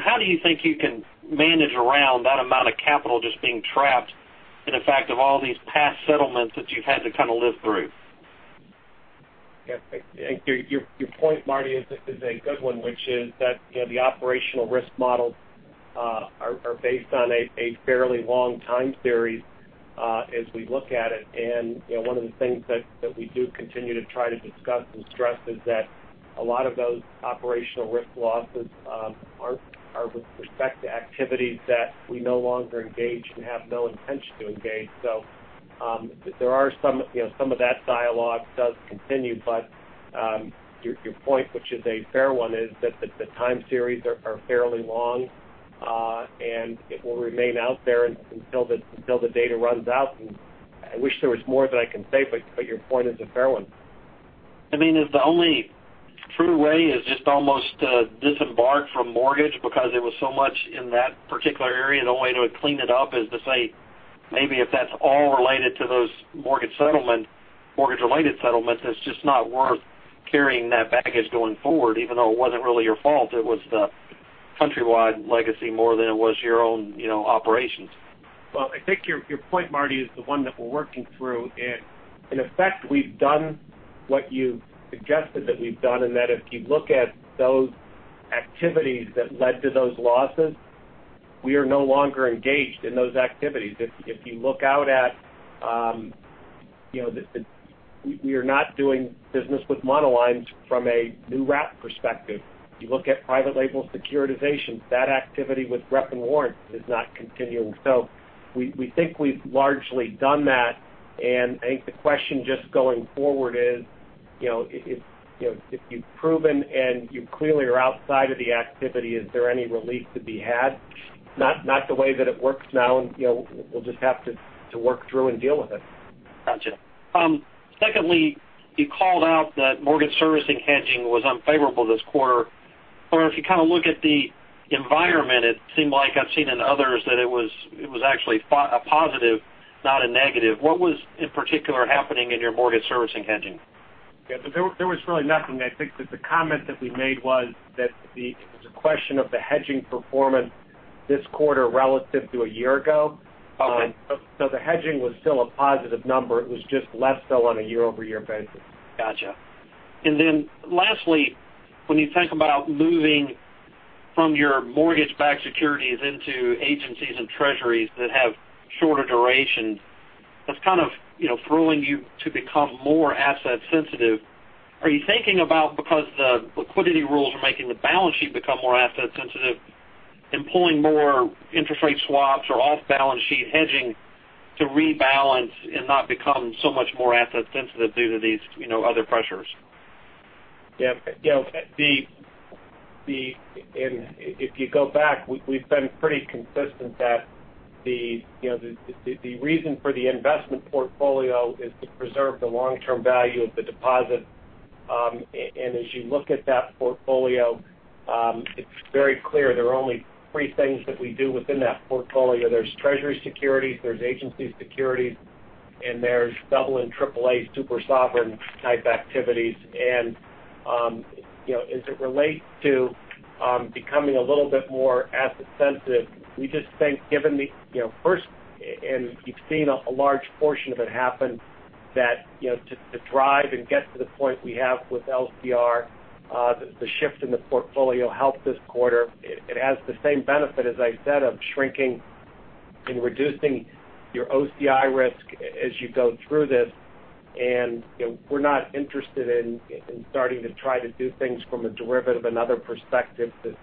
How do you think you can manage around that amount of capital just being trapped in effect of all these past settlements that you've had to kind of live through? Your point, Marty, is a good one, which is that the operational risk model Are based on a fairly long time series as we look at it. One of the things that we do continue to try to discuss and stress is that a lot of those operational risk losses are with respect to activities that we no longer engage and have no intention to engage. Some of that dialogue does continue, but your point, which is a fair one, is that the time series are fairly long, and it will remain out there until the data runs out. I wish there was more that I can say, but your point is a fair one. Is the only true way is just almost to disembark from mortgage because it was so much in that particular area? The only way to clean it up is to say, maybe if that's all related to those mortgage-related settlements, it's just not worth carrying that baggage going forward, even though it wasn't really your fault. It was the Countrywide legacy more than it was your own operations. Well, I think your point, Marty, is the one that we're working through. In effect, we've done what you've suggested that we've done, in that if you look at those activities that led to those losses, we are no longer engaged in those activities. We are not doing business with monolines from a new wrap perspective. If you look at private label securitizations, that activity with rep and warrant is not continuing. We think we've largely done that. I think the question just going forward is, if you've proven and you clearly are outside of the activity, is there any relief to be had? Not the way that it works now. We'll just have to work through and deal with it. Gotcha. Secondly, you called out that mortgage servicing hedging was unfavorable this quarter. However, if you look at the environment, it seemed like I've seen in others that it was actually a positive, not a negative. What was in particular happening in your mortgage servicing hedging? Yeah. There was really nothing. I think that the comment that we made was that it was a question of the hedging performance this quarter relative to a year ago. Okay. The hedging was still a positive number. It was just less so on a year-over-year basis. Got you. Lastly, when you think about moving from your mortgage-backed securities into agencies and treasuries that have shorter duration, that's kind of throwing you to become more asset sensitive. Are you thinking about because the liquidity rules are making the balance sheet become more asset sensitive, employing more interest rate swaps or off-balance sheet hedging to rebalance and not become so much more asset sensitive due to these other pressures? Yeah. If you go back, we've been pretty consistent that the reason for the investment portfolio is to preserve the long-term value of the deposit. As you look at that portfolio, it's very clear there are only three things that we do within that portfolio. There's Treasury securities, there's agency securities, and there's double and triple A super sovereign type activities. As it relates to becoming a little bit more asset sensitive, we just think given first, and you've seen a large portion of it happen, that to drive and get to the point we have with LCR, the shift in the portfolio helped this quarter. It has the same benefit, as I said, of shrinking and reducing your OCI risk as you go through this. We're not interested in starting to try to do things from a derivative, another perspective to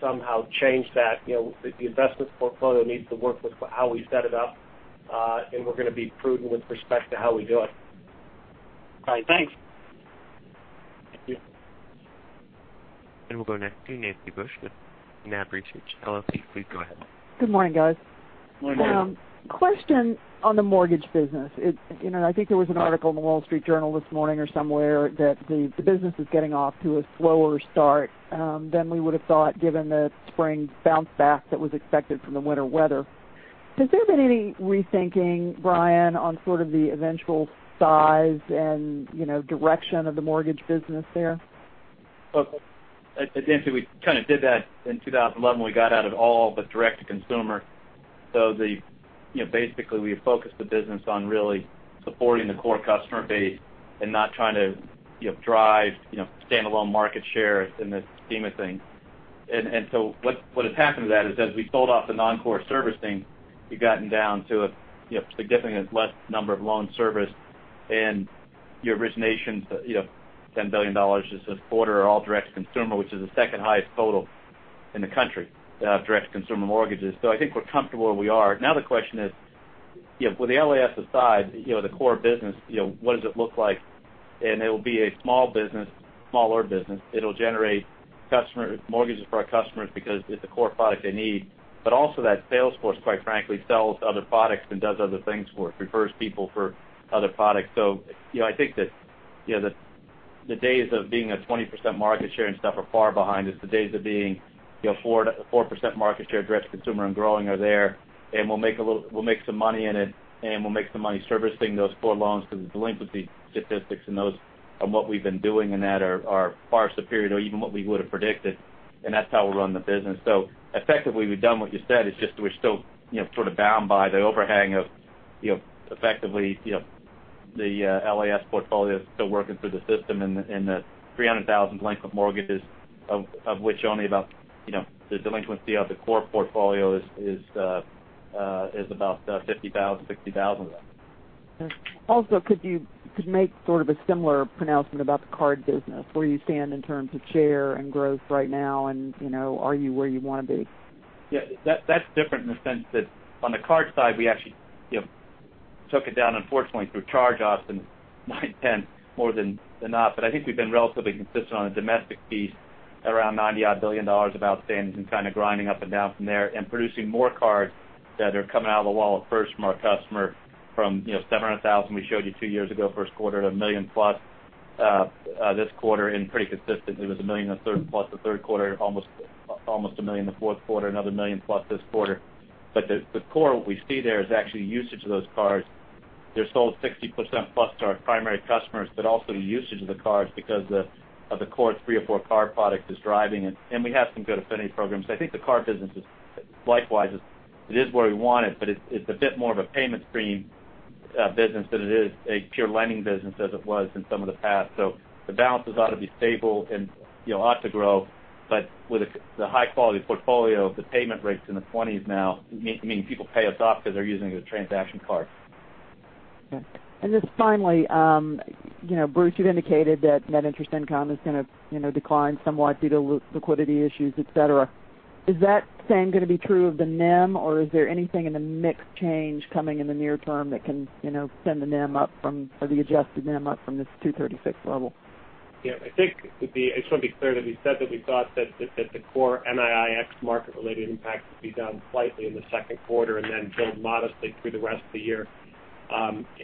somehow change that. The investment portfolio needs to work with how we set it up. We're going to be prudent with respect to how we do it. All right. Thanks. Thank you. We'll go next to Nancy Bush with NAB Research, LLC. Please go ahead. Good morning, guys. Good morning. Morning. Question on the mortgage business. I think there was an article in The Wall Street Journal this morning or somewhere that the business is getting off to a slower start than we would've thought, given the spring bounce back that was expected from the winter weather. Has there been any rethinking, Brian, on sort of the eventual size and direction of the mortgage business there? Nancy, we kind of did that in 2011 when we got out of all but direct to consumer. Basically, we focused the business on really supporting the core customer base and not trying to drive standalone market share in the schema thing. What has happened to that is as we sold off the non-core service thing, we've gotten down to a significantly less number of loans serviced and your originations, $10 billion this quarter are all direct to consumer, which is the second highest total in the country of direct to consumer mortgages. I think we're comfortable where we are. Now the question is, with the LAS aside, the core business, what does it look like? It'll be a small business, smaller business. It'll generate mortgages for our customers because it's a core product they need. Also that sales force, quite frankly, sells other products and does other things for us, refers people for other products. I think that the days of being a 20% market share and stuff are far behind us. The days of being 4% market share direct to consumer and growing are there. We'll make some money in it, and we'll make some money servicing those core loans because the delinquency statistics in those and what we've been doing in that are far superior to even what we would've predicted. That's how we'll run the business. Effectively, we've done what you said. It's just we're still sort of bound by the overhang of effectively The LAS portfolio is still working through the system in the 300,000 length of mortgages, of which only about the delinquency of the core portfolio is about 50,000, 60,000 of them. Also, could you make sort of a similar pronouncement about the card business, where you stand in terms of share and growth right now, and are you where you want to be? Yeah, that's different in the sense that on the card side, we actually took it down unfortunately through charge-offs in Q1 2010 more than not. I think we've been relatively consistent on the domestic piece, around $90-odd billion of outstandings and kind of grinding up and down from there. Producing more cards that are coming out of the wall at first from our customer from 700,000 we showed you two years ago first quarter, to 1 million plus this quarter. Pretty consistently was 1 million plus the third quarter, almost 1 million the fourth quarter, another 1 million plus this quarter. The core, what we see there is actually usage of those cards. They're sold 60% plus to our primary customers, but also the usage of the cards because of the core three or four card product is driving it. We have some good affinity programs. I think the card business is likewise. It is where we want it, but it's a bit more of a payment stream business than it is a pure lending business as it was in some of the past. The balances ought to be stable and ought to grow. With the high quality portfolio, the payment rate's in the 20s now. Meaning people pay us off because they're using the transaction card. Okay. Just finally, Bruce, you've indicated that net interest income is going to decline somewhat due to liquidity issues, et cetera. Is that same going to be true of the NIM, or is there anything in the mix change coming in the near term that can send the NIM up from, or the adjusted NIM up from this 236 level? I think I just want to be clear that we said that we thought that the core NII ex market related impact would be down slightly in the second quarter and then build modestly through the rest of the year.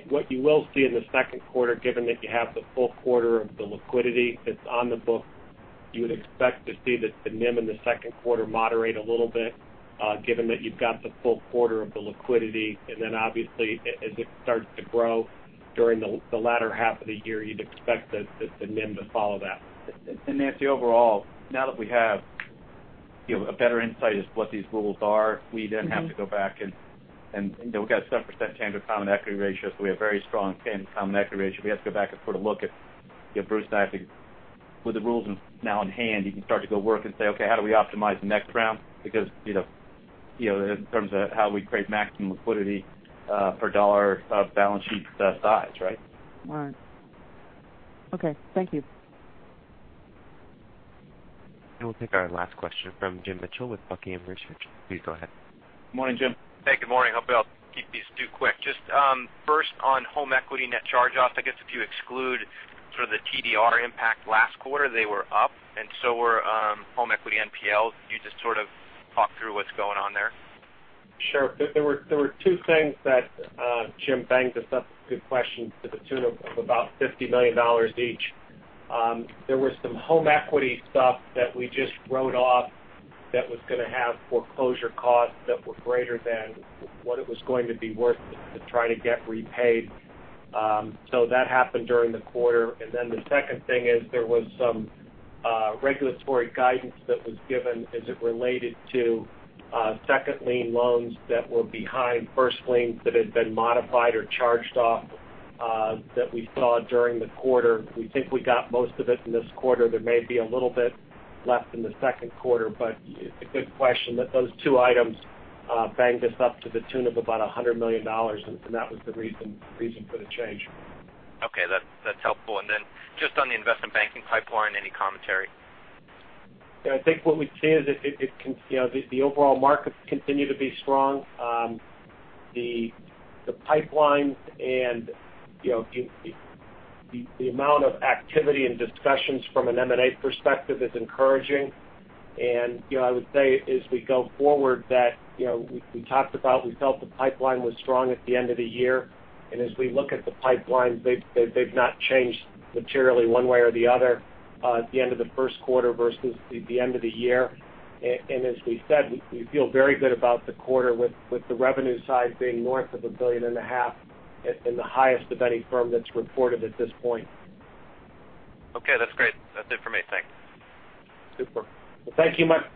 What you will see in the second quarter, given that you have the full quarter of the liquidity that's on the book, you would expect to see that the NIM in the second quarter moderate a little bit given that you've got the full quarter of the liquidity. Then obviously, as it starts to grow during the latter half of the year, you'd expect the NIM to follow that. Nancy, overall, now that we have a better insight as to what these rules are, we then have to go back and, we've got 7% tangible common equity ratio, we have very strong common equity ratio. We have to go back and put a look at, Bruce and I have to, with the rules now in hand, you can start to go work and say, "Okay, how do we optimize next round?" In terms of how we create maximum liquidity per dollar of balance sheet size, right? Right. Okay. Thank you. We'll take our last question from Jim Mitchell with Buckingham Research. Please go ahead. Morning, Jim. Hey, good morning. Hope I'll keep these two quick. Just first on home equity net charge-offs. I guess if you exclude sort of the TDR impact last quarter, they were up and so were home equity NPLs. Can you just sort of talk through what's going on there? Sure. There were two things that, Jim, banged us up. Good question. To the tune of about $50 million each. There was some home equity stuff that we just wrote off that was going to have foreclosure costs that were greater than what it was going to be worth to try to get repaid. That happened during the quarter. The second thing is there was some regulatory guidance that was given as it related to second lien loans that were behind first liens that had been modified or charged off that we saw during the quarter. We think we got most of it in this quarter. There may be a little bit left in the second quarter, but it's a good question that those two items banged us up to the tune of about $100 million, that was the reason for the change. Okay, that's helpful. Just on the investment banking pipeline, any commentary? I think what we'd say is the overall markets continue to be strong. The pipelines and the amount of activity and discussions from an M&A perspective is encouraging. I would say as we go forward that we talked about we felt the pipeline was strong at the end of the year. As we look at the pipelines, they've not changed materially one way or the other at the end of the first quarter versus the end of the year. As we said, we feel very good about the quarter with the revenue side being north of a billion and a half and the highest of any firm that's reported at this point. Okay, that's great. That's it for me. Thanks. Super. Thank you much.